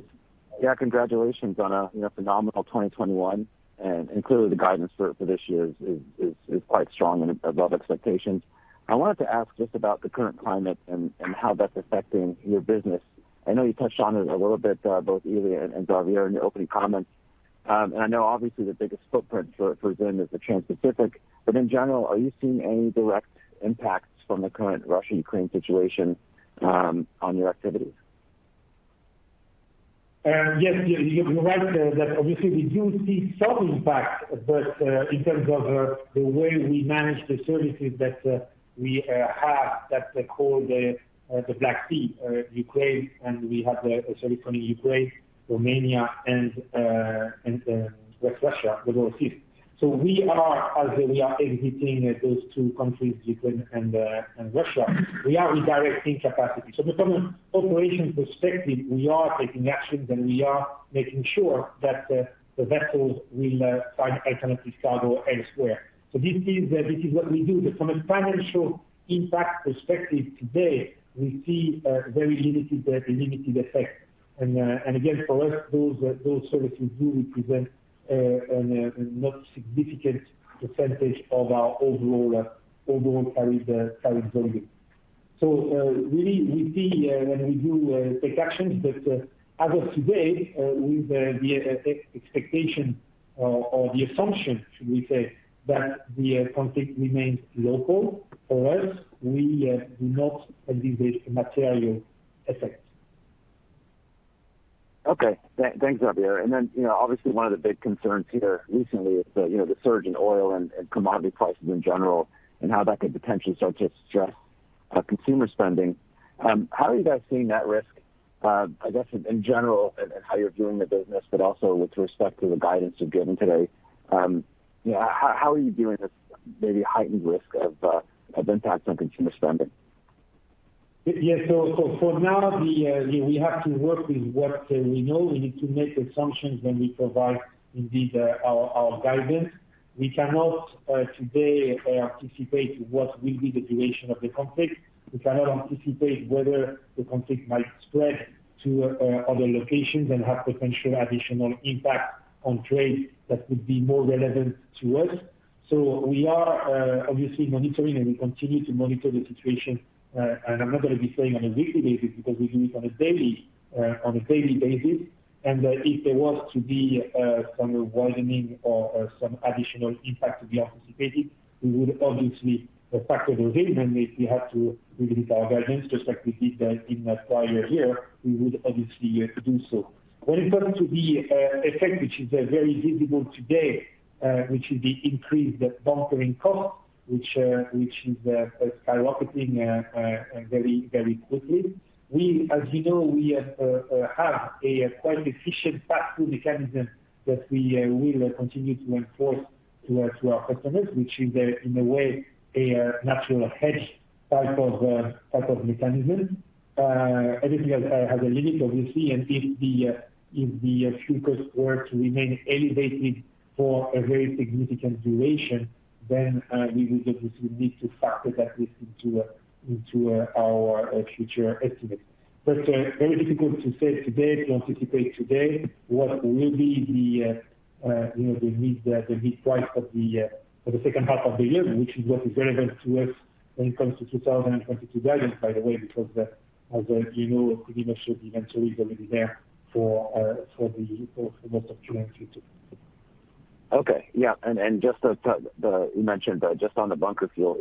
Yeah, congratulations on a you know phenomenal 2021 and clearly the guidance for this year is quite strong and above expectations. I wanted to ask just about the current climate and how that's affecting your business. I know you touched on it a little bit both Eli and Xavier in the opening comments. And I know obviously the biggest footprint for ZIM is the Transpacific, but in general, are you seeing any direct impacts from the current Russia-Ukraine situation on your activities? Yes, you're right that obviously we do see some impact, but in terms of the way we manage the services that we have that they call the Black Sea, Ukraine, and we have a service from Ukraine, Romania, and West Russia, the North Sea. We are exiting those two countries, Ukraine and Russia, we are redirecting capacity. From an operational perspective, we are taking actions, and we are making sure that the vessels will find alternative cargo elsewhere. This is what we do. But from a financial impact perspective today, we see a very limited effect. Again, for us, those services do represent a not significant percentage of our overall carry volume. Really, we see when we do take actions that, as of today, with the expectation or the assumption, should we say, that the conflict remains local, for us, we do not anticipate a material effect. Okay. Thanks, Xavier. You know, obviously one of the big concerns here recently is the surge in oil and commodity prices in general, and how that could potentially start to stress consumer spending. How are you guys seeing that risk, I guess in general and how you're doing the business, but also with respect to the guidance you've given today? You know, how are you viewing this maybe heightened risk of impacts on consumer spending? Yes. For now, we have to work with what we know. We need to make assumptions when we provide indeed our guidance. We cannot today anticipate what will be the duration of the conflict. We cannot anticipate whether the conflict might spread to other locations and have potential additional impact on trade that would be more relevant to us. We are obviously monitoring, and we continue to monitor the situation. I'm not gonna be saying on a weekly basis because we do it on a daily basis. If there was to be some widening or some additional impact to be anticipated, we would obviously factor those in. If we had to revisit our guidance, just like we did in the prior year, we would obviously do so. When it comes to the effect, which is very visible today, which is the increased bunkering costs, which is skyrocketing very quickly. We, as you know, have a quite efficient pass-through mechanism that we will continue to enforce to our customers, which is, in a way, a natural hedge type of mechanism. Everything has a limit, obviously, and if the fuel costs were to remain elevated for a very significant duration, then we would obviously need to factor that risk into our future estimates. Very difficult to say today to anticipate today what will be, you know, the mid price for the second half of the year, which is what is relevant to us when it comes to 2022 guidance, by the way, because as you know could even shift eventually going to be there for most of 2022. Okay. Yeah. You mentioned just on the bunker fuel,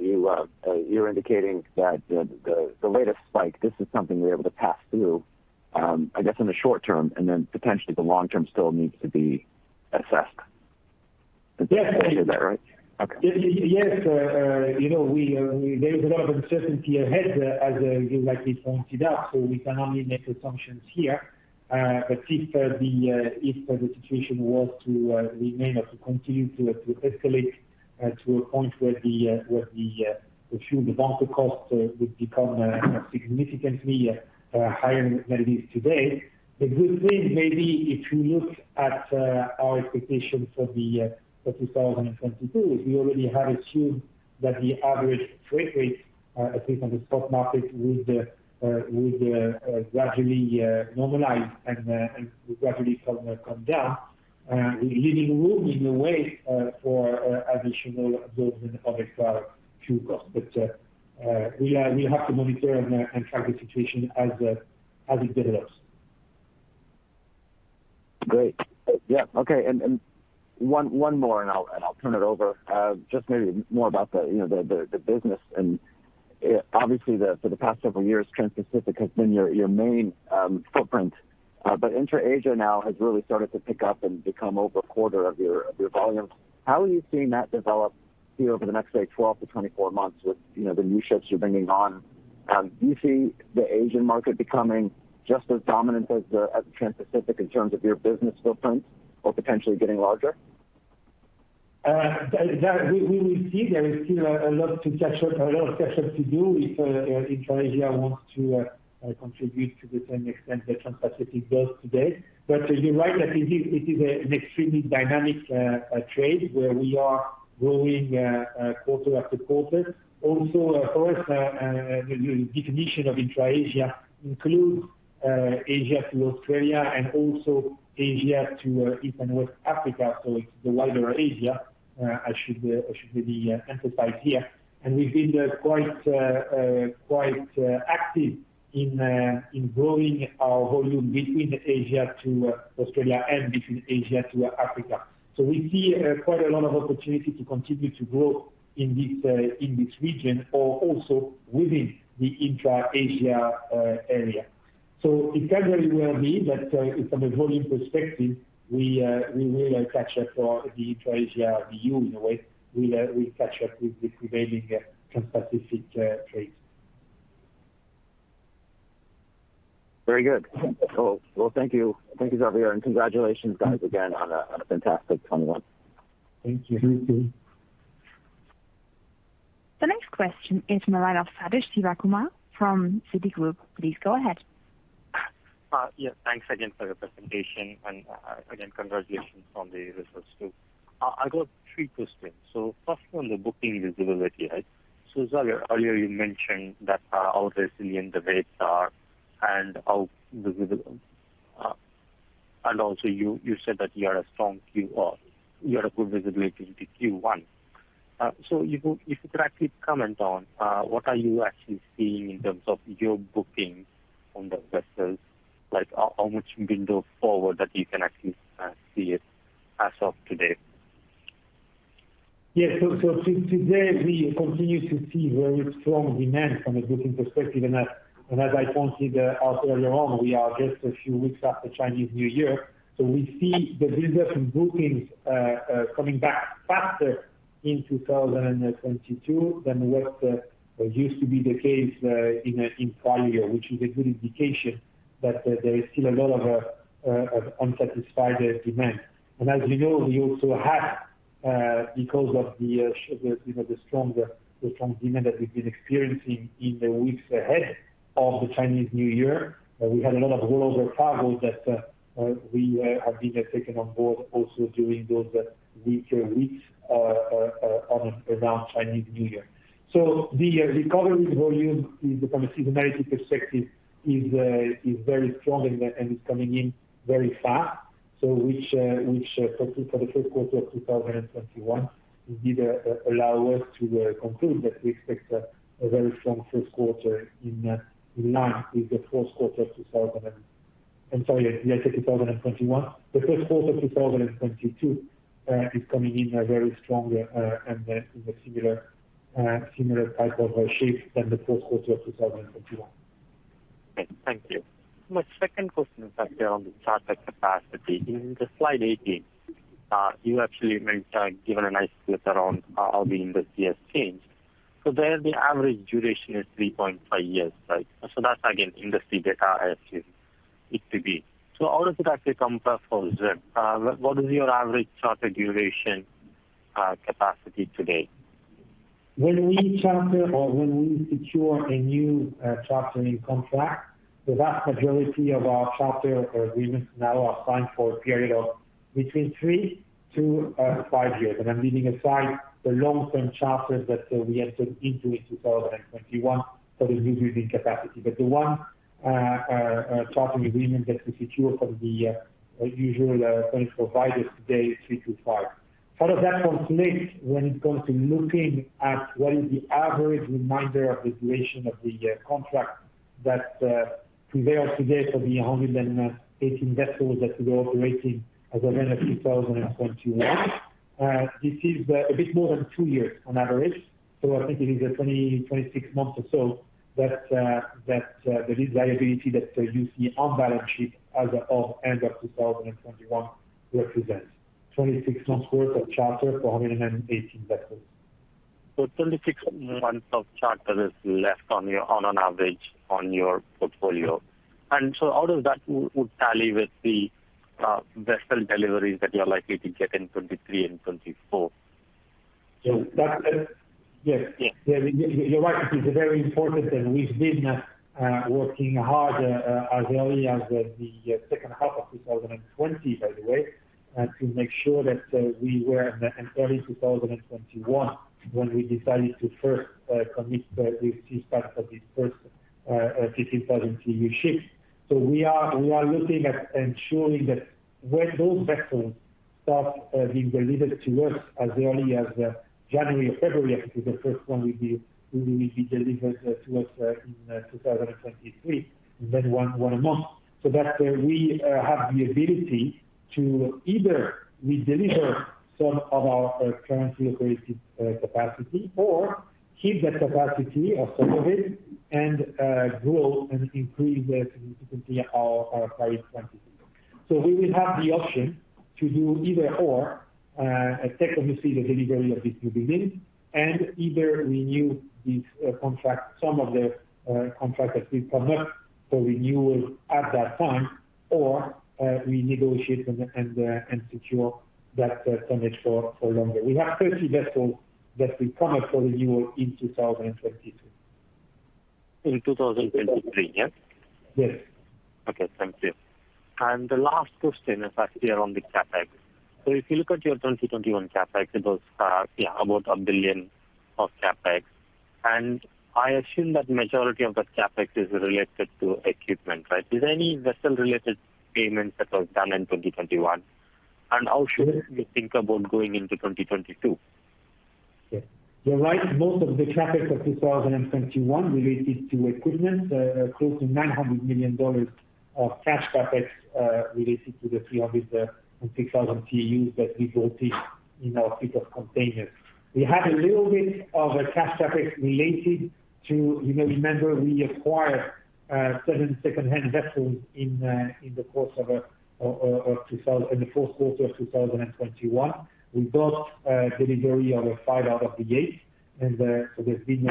you're indicating that the latest spike is something we're able to pass through, I guess in the short term, and then potentially the long term still needs to be assessed. Yes. Did I hear that right? Okay. Yes. You know, there is a lot of uncertainty ahead, as you rightly pointed out, so we can only make assumptions here. If the situation was to remain or to continue to escalate to a point where the fuel bunker costs would become significantly higher than it is today, I would think maybe if you look at our expectations for 2022, we already had assumed that the average freight rates, at least on the spot market, would gradually normalize and would gradually come down, leaving room in a way for additional absorption of a fuel cost. We are, we have to monitor and track the situation as it develops. Great. Yeah. Okay. One more, and I'll turn it over. Just maybe more about the, you know, the business and obviously, for the past several years, Transpacific has been your main footprint. Intra-Asia now has really started to pick up and become over a quarter of your volume. How are you seeing that develop say over the next 12-24 months with, you know, the new ships you're bringing on? Do you see the Asian market becoming just as dominant as Transpacific in terms of your business footprint or potentially getting larger? That we will see. There is still a lot of catch up to do if Intra-Asia wants to contribute to the same extent that Transpacific does today. But you're right that it is an extremely dynamic trade where we are growing quarter after quarter. Also, of course, the definition of Intra-Asia includes Asia to Australia and also Asia to even North Africa. So it's the wider Asia. I should maybe emphasize here. We've been quite active in growing our volume between Asia to Australia and between Asia to Africa. So we see quite a lot of opportunity to continue to grow in this region or also within the intra-Asia area. It can very well be that from a volume perspective, we will catch up for the intra-Asia view, in a way. We'll catch up with the prevailing Trans-Pacific trade. Very good. Well, thank you, Xavier, and congratulations, guys, again on a fantastic 2021. Thank you. Thank you. The next question is Sathish Sivakumar from Citigroup. Please go ahead. Yeah. Thanks again for the presentation and, again, congratulations on the results too. I got three questions. First one, the booking visibility, right? Xavier, earlier you mentioned that, how resilient the rates are and also you have a strong Q1. You have a good visibility into Q1. If you could actually comment on what are you actually seeing in terms of your bookings on the vessels? Like how much window forward that you can actually see it as of today? Yes. Today, we continue to see very strong demand from a booking perspective. As I pointed out earlier on, we are just a few weeks after Chinese New Year, so we see the business in bookings coming back faster in 2022 than what used to be the case in prior year, which is a good indication that there is still a lot of unsatisfied demand. As you know, we also have, because of the, you know, the strong demand that we've been experiencing in the weeks ahead of the Chinese New Year, we had a lot of rollover cargo that we have taken on board also during those weaker weeks on and around Chinese New Year. The recovery volume is, from a seasonality perspective, very strong and it's coming in very fast. Particularly for the first quarter of 2021, it did allow us to conclude that we expect a very strong first quarter in line with the fourth quarter of 2021. I'm sorry, did I say 2021? The first quarter of 2022 is coming in very strong and in the similar type of shape than the fourth quarter of 2021. Okay, thank you. My second question is actually on the charter capacity. In slide 18, you've given a nice split around how the industry has changed. There, the average duration is 3.5 years, right? That's again industry data, I assume it to be. How does it actually compare for ZIM? What is your average charter duration capacity today? When we charter or when we secure a new chartering contract, the vast majority of our charter agreements now are signed for a period of between three to five years. I'm leaving aside the long-term charters that we entered into in 2021 for the newbuilding capacity. The one charter agreement that we secure from the usual potential buyers today is three to five. How does that translate when it comes to looking at what is the average remainder of the duration of the contract that prevails today for the 118 vessels that we are operating as of end of 2021? This is a bit more than two years on average. I think it is 26 months or so that the liability that you see on balance sheet as of end of 2022 represent 26 months worth of charter for 118 vessels. 26 months of charter is left, on average, on your portfolio. How does that would tally with the vessel deliveries that you are likely to get in 2023 and 2024? That, yes. Yes. Yeah. You're right. This is very important. We've been working hard as early as the second half of 2020, by the way, to make sure that we were in early 2021 when we decided to first commit with Seaspan for the first 15,000 TEU ships. We are looking at ensuring that when those vessels start being delivered to us as early as January or February. I think the first one will be delivered to us in 2023, and then one a month, so that we have the ability to either redeliver some of our current fleet capacity or keep that capacity or some of it and grow and increase the capacity of our fleet 2022. We will have the option to do either/or, as technically the delivery of these newbuildings and either renew these contract, some of the contract that will come up for renewal at that time or renegotiate and secure that tonnage for longer. We have 30 vessels that we commit for renewal in 2022. In 2023, yeah? Yes. Okay, thank you. The last question is actually around the CapEx. If you look at your 2021 CapEx, it was about $1 billion of CapEx. I assume that majority of that CapEx is related to equipment, right? Is there any vessel related payments that was done in 2021? How should we think about going into 2022? Yeah. You're right. Most of the CapEx of 2021 related to equipment, close to $900 million of cash CapEx, related to the 306,000 TEUs that we built in our fleet of containers. We have a little bit of a cash CapEx related to, you may remember, we acquired certain second-hand vessels in the course of in the fourth quarter of 2021. We got delivery of five out of the eight, and so there's been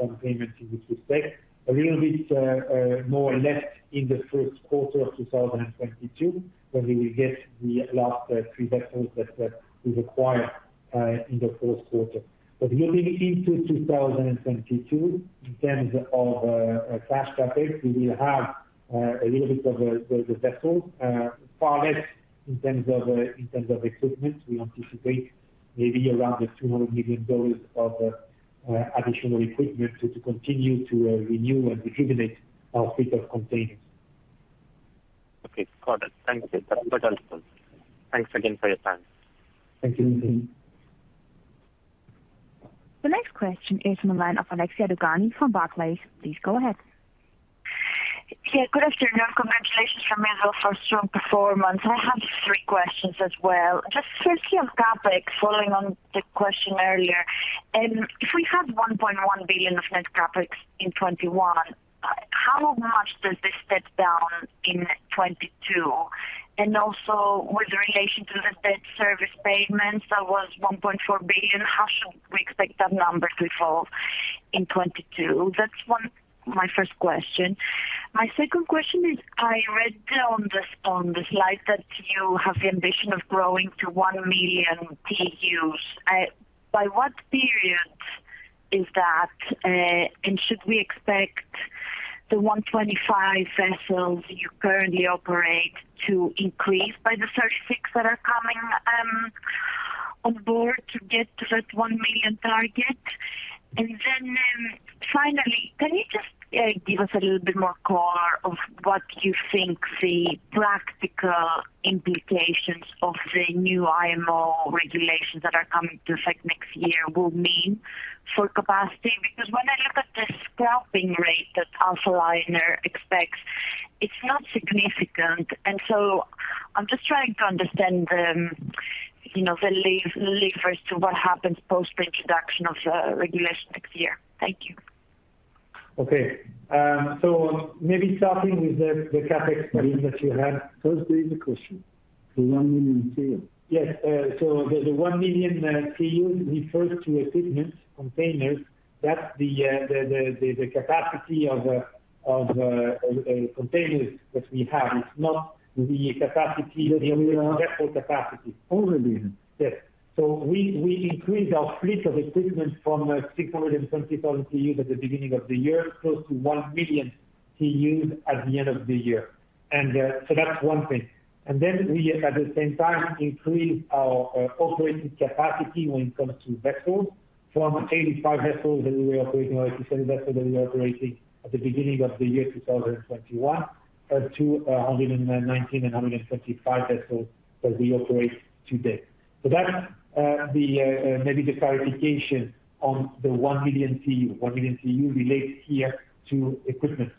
some payments in this respect. A little bit more or less in the first quarter of 2022, when we will get the last three vessels that we acquired in the fourth quarter. Looking into 2022, in terms of cash CapEx, we will have a little bit of the vessel target in terms of equipment. We anticipate maybe around $200 million of additional equipment to continue to renew and rejuvenate our fleet of containers. Okay. Got it. Thank you. That's helpful. Thanks again for your time. Thank you. The next question is from the line of Alexia Dogani from Barclays. Please go ahead. Yeah, good afternoon. Congratulations, Romain, for a strong performance. I have three questions as well. Just firstly on CapEx, following on the question earlier, if we had $1.1 billion of net CapEx in 2021, how much does this step down in 2022? And also with relation to the debt service payments, that was $1.4 billion, how should we expect that number to fall in 2022? That's my first question. My second question is, I read on the slide that you have the ambition of growing to 1 million TEUs. By what period is that? And should we expect the 125 vessels you currently operate to increase by the 36 that are coming on board to get to that 1 million target? Finally, can you just give us a little bit more color on what you think the practical implications of the new IMO regulations that are coming into effect next year will mean for capacity? Because when I look at the scrapping rate that Alphaliner expects, it's not significant. I'm just trying to understand, you know, the levers to what happens post the introduction of the regulations next year. Thank you. Okay. Maybe starting with the CapEx question that you had. First read the question. The 1 million TEUs. Yes. The 1 million TEUs refers to equipment, containers. That's the capacity of containers that we have. It's not the capacity- The million. the vessel capacity. $4 million. Yes. We increased our fleet of equipment from 620,000 TEUs at the beginning of the year, close to 1,000,000 TEUs at the end of the year. That's one thing. We, at the same time, increased our operating capacity when it comes to vessels from 85 vessels that we were operating or 87 vessels that we were operating at the beginning of the year, 2021, to 119 and 125 vessels that we operate today. That's maybe the clarification on the 1,000,000 TEU. 1,000,000 TEU relates here to equipment.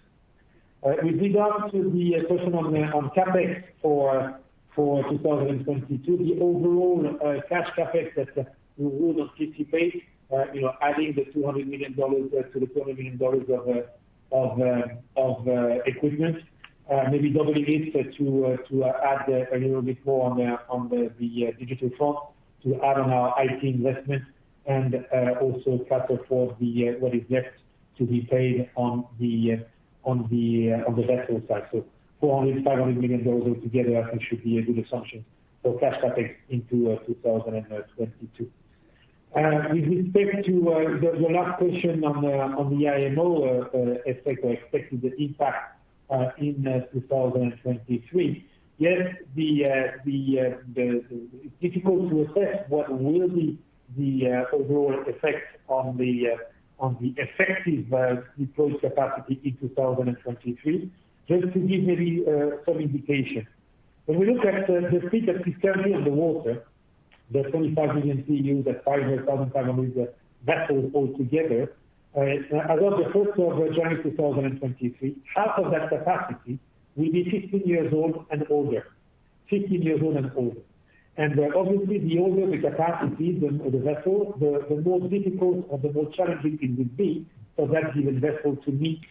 With regard to the question on CapEx for 2022, the overall cash CapEx that we would anticipate, you know, adding the $200 million to the $20 million of equipment, maybe doubling it to add a little bit more on the digital front, to add on our IT investment and also factor for what is left to be paid on the vessel side. $400-$500 million all together, I think should be a good assumption for cash CapEx into 2022. With respect to the last question on the IMO effect or expected impact in 2023. Yes, difficult to assess what will be the overall effect on the effective deployed capacity in 2023. Just to give maybe some indication. When we look at the fleet that is currently on the water, the 25 million TEU, the 500,500 vessels all together, as of the first of January 2023, half of that capacity will be 15 years old and older. 15 years old and older. Obviously the older the capacity, the vessel, the more difficult or the more challenging it will be for that given vessel to meet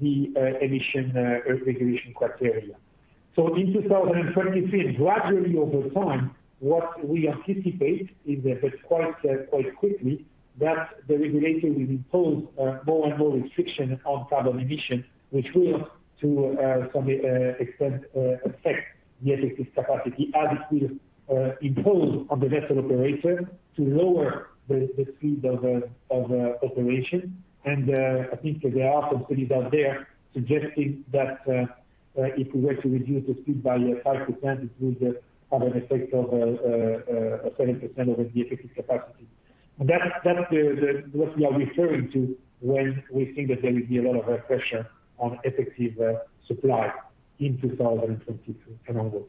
the emission regulation criteria. In 2023, gradually over time, what we anticipate is that quite quickly, the regulator will impose more and more restriction on carbon emission, which will, to some extent, affect the effective capacity as it will impose on the vessel operator to lower the speed of operation. I think there are companies out there suggesting that if we were to reduce the speed by 5%, it will have an effect of 7% over the effective capacity. That's what we are referring to when we think that there will be a lot of pressure on effective supply in 2022 and onwards.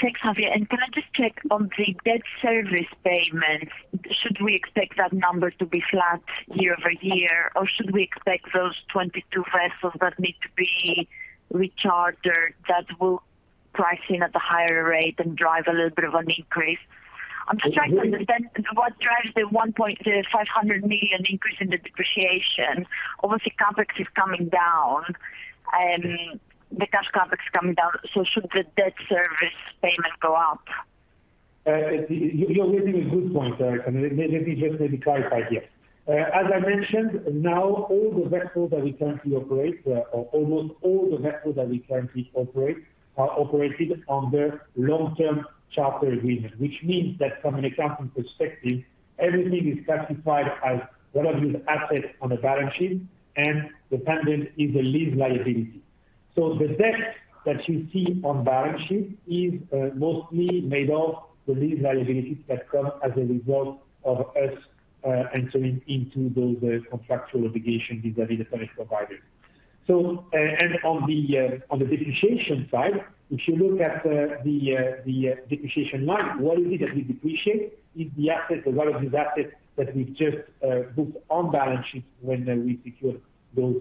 Thanks, Xavier. Can I just check on the debt service payments? Should we expect that number to be flat year-over-year or should we expect those 22 vessels that need to be recharged or that will price in at a higher rate and drive a little bit of an increase? I'm just trying to understand what drives the $150 million increase in the depreciation. Obviously, CapEx is coming down and the cash CapEx is coming down, so should the debt service payment go up? You're raising a good point, Alexia. Let me just maybe clarify here. As I mentioned, now all the vessels that we currently operate, or almost all the vessels that we currently operate are operated under long-term charter agreement. Which means that from an accounting perspective, everything is classified as one of these assets on the balance sheet, and the payment is a lease liability. The debt that you see on the balance sheet is mostly made of the lease liabilities that come as a result of us entering into those contractual obligations with the current provider. On the depreciation side, if you look at the depreciation line, what is it that we depreciate? It's the asset, or one of these assets that we've just booked on balance sheet when we secure those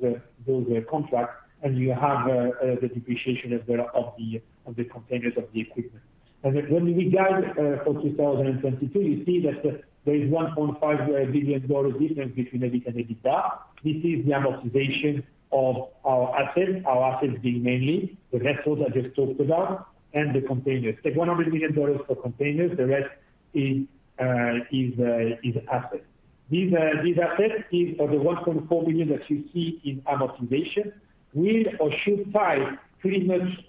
contracts, and you have the depreciation of the containers, of the equipment. When we guide for 2022, you see that there is $1.5 billion difference between EBIT and EBITDA. This is the amortization of our assets, our assets being mainly the vessels I just talked about and the containers. Take $100 million for containers, the rest is assets. These assets or the $1.4 billion that you see in amortization will or should tie pretty much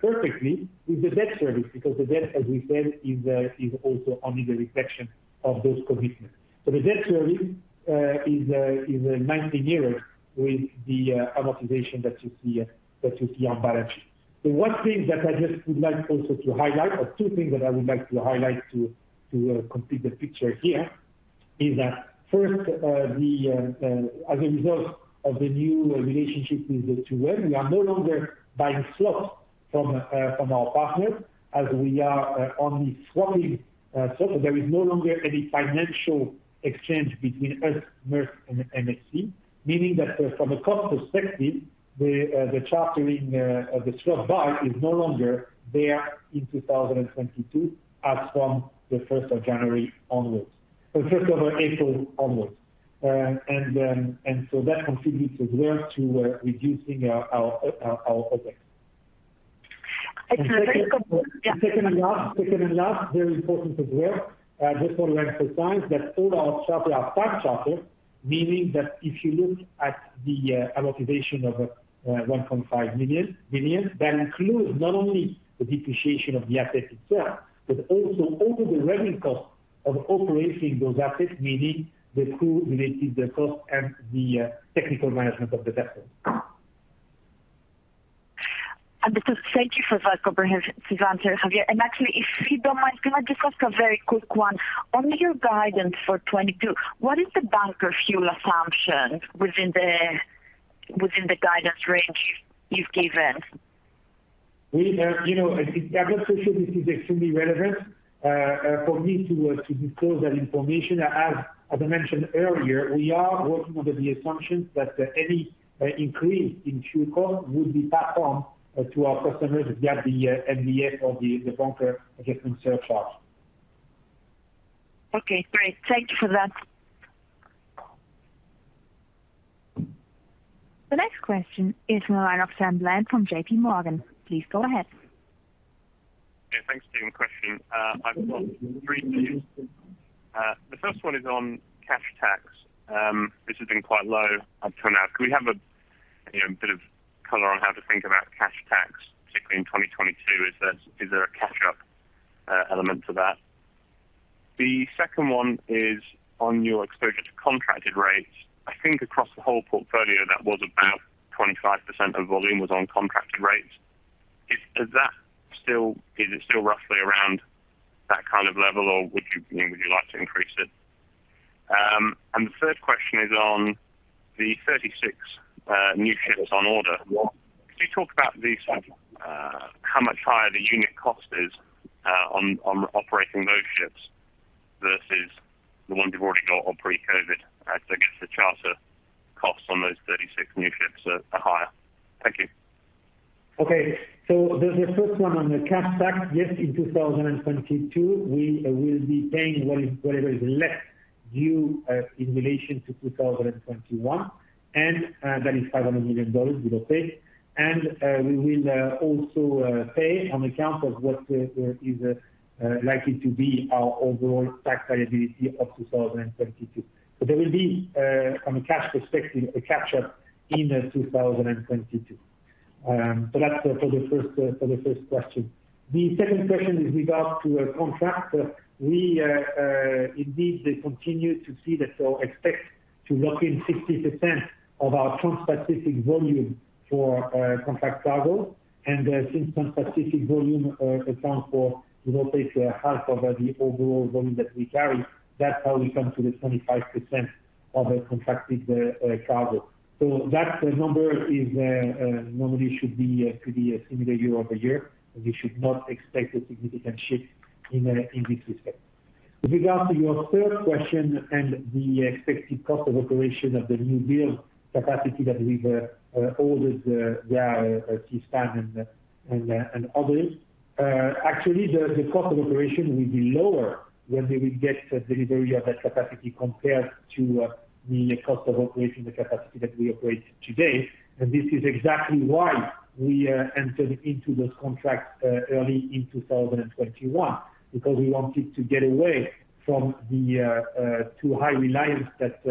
perfectly with the debt service, because the debt, as we said, is also only the reflection of those commitments. The debt service is nicely mirrored with the amortization that you see on balance sheet. The one thing that I just would like also to highlight, or two things that I would like to highlight to complete the picture here is that first, as a result of the new relationship with 2M, we are no longer buying slots from our partners, as we are only swapping slots. There is no longer any financial exchange between us, Maersk and MSC. Meaning that, from a cost perspective, the chartering or the slot buy is no longer there in 2022 as from the first of April onwards. That contributes as well to reducing our overheads. I can, yeah? Second and last, very important as well, just for the record time, that all our charter are time charter, meaning that if you look at the amortization of $1.5 billion, that includes not only the depreciation of the asset itself, but also all the running costs of operating those assets, meaning the crew related, the cost and the technical management of the vessel. Just thank you for that comprehensive answer, Xavier. Actually if you don't mind, can I just ask a very quick one? On your guidance for 2022, what is the bunker fuel assumption within the guidance range you've given? You know, I've got to say this is extremely relevant for me to disclose that information. As I mentioned earlier, we are working under the assumption that any increase in fuel cost would be passed on to our customers via the BAF of the bunker adjustment surcharge. Okay, great. Thank you for that. The next question is from Sam Bland from JPMorgan. Please go ahead. Yeah, thanks for taking the question. I've got three things. The first one is on cash tax. This has been quite low up till now. Can we have a, you know, bit of color on how to think about cash tax, particularly in 2022? Is there a catch-up element to that? The second one is on your exposure to contracted rates. I think across the whole portfolio, that was about 25% of volume was on contracted rates. Is it still roughly around that kind of level or would you know, would you like to increase it? The third question is on the 36 new ships on order. Could you talk about these, how much higher the unit cost is on operating those ships versus the ones you ordered or pre-COVID, as I guess the charter costs on those 36 new ships are higher? Thank you. Okay. The first one on the cash tax, yes, in 2022, we will be paying what is, whatever is left due, in relation to 2021, and that is $500 million we will pay. We will also pay on account of what is likely to be our overall tax liability of 2022. There will be, from a cash perspective, a catch-up in 2022. That's for the first question. The second question is regards to contract. We indeed continue to see that or expect to lock in 60% of our Trans-Pacific volume for contract cargo. Since Trans-Pacific volume accounts for roughly half of the overall volume that we carry, that's how we come to the 25% of the contracted cargo. That number normally should be could be similar year-over-year. We should not expect a significant shift in this respect. With regard to your third question and the expected cost of operation of the newbuild capacity that we've ordered at Seaspan and others. Actually, the cost of operation will be lower when we will get delivery of that capacity compared to the cost of operating the capacity that we operate today. This is exactly why we entered into those contracts early in 2021, because we wanted to get away from the too high reliance that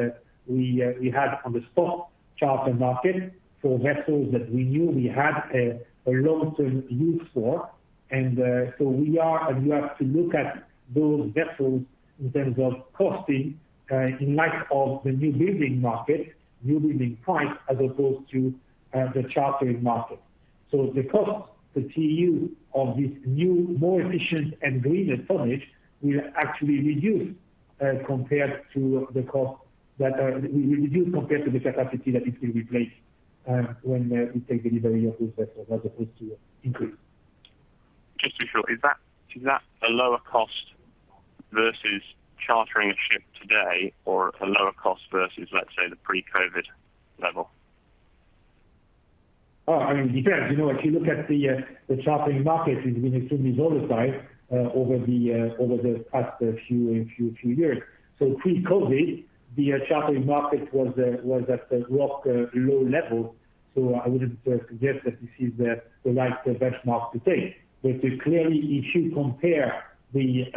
we had on the spot charter market for vessels that we knew we had a long-term use for. You have to look at those vessels in terms of costing in light of the newbuilding market, newbuilding price, as opposed to the chartering market. The cost, the TEU of this new, more efficient and greener tonnage will actually reduce compared to the cost that will reduce compared to the capacity that it will replace when we take delivery of this vessel as opposed to increase. Just to be sure, is that a lower cost versus chartering a ship today or a lower cost versus, let's say, the pre-COVID level? Oh, I mean, it depends. You know, if you look at the chartering market, it's been extremely volatile over the past few years. Pre-COVID, the chartering market was at a rock-bottom low level, so I wouldn't suggest that this is the right benchmark to take. Clearly, if you compare the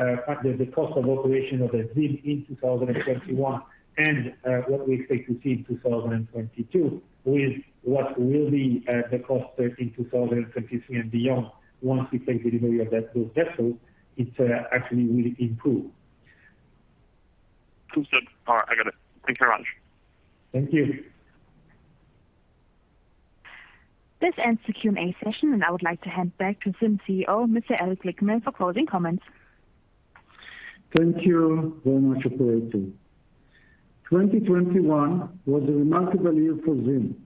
cost of operation of a build in 2021 and what we expect to see in 2022 with what will be the cost in 2023 and beyond once we take delivery of those vessels, it actually will improve. Understood. All right, I got it. Thank you very much. Thank you. This ends the Q&A session, and I would like to hand back to ZIM CEO, Mr. Eli Glickman, for closing comments. Thank you very much, operator. 2021 was a remarkable year for ZIM.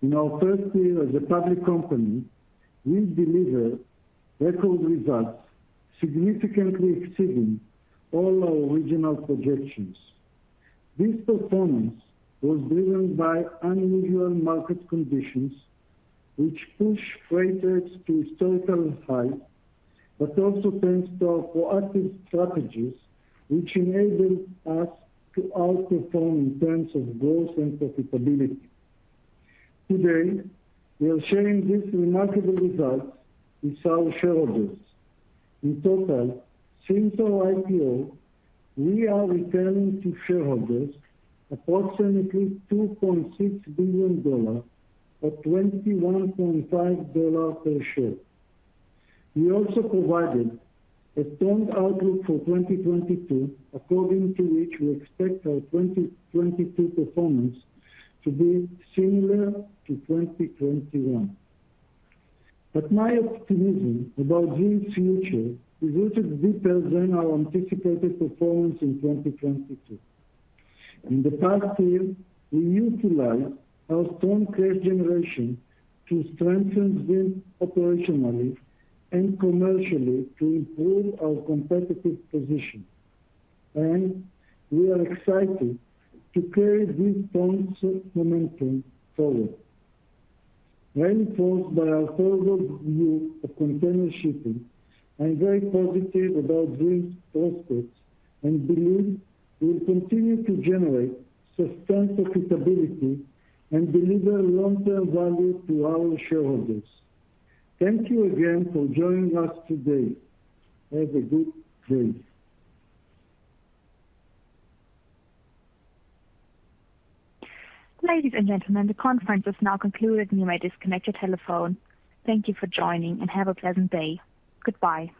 In our first year as a public company, we delivered record results, significantly exceeding all our original projections. This performance was driven by unusual market conditions which pushed freight rates to historical highs, but also thanks to our proactive strategies which enabled us to outperform in terms of growth and profitability. Today, we are sharing these remarkable results with our shareholders. In total, since our IPO, we are returning to shareholders approximately $2.6 billion at $21.5 per share. We also provided a strong outlook for 2022, according to which we expect our 2022 performance to be similar to 2021. My optimism about ZIM's future is rooted deeper than our anticipated performance in 2022. In the past year, we utilized our strong cash generation to strengthen ZIM operationally and commercially to improve our competitive position. We are excited to carry this strong momentum forward. Reinforced by our thorough view of container shipping, I am very positive about ZIM's prospects and believe we will continue to generate sustained profitability and deliver long-term value to our shareholders. Thank you again for joining us today. Have a good day. Ladies and gentlemen, the conference is now concluded. You may disconnect your telephone. Thank you for joining, and have a pleasant day. Goodbye.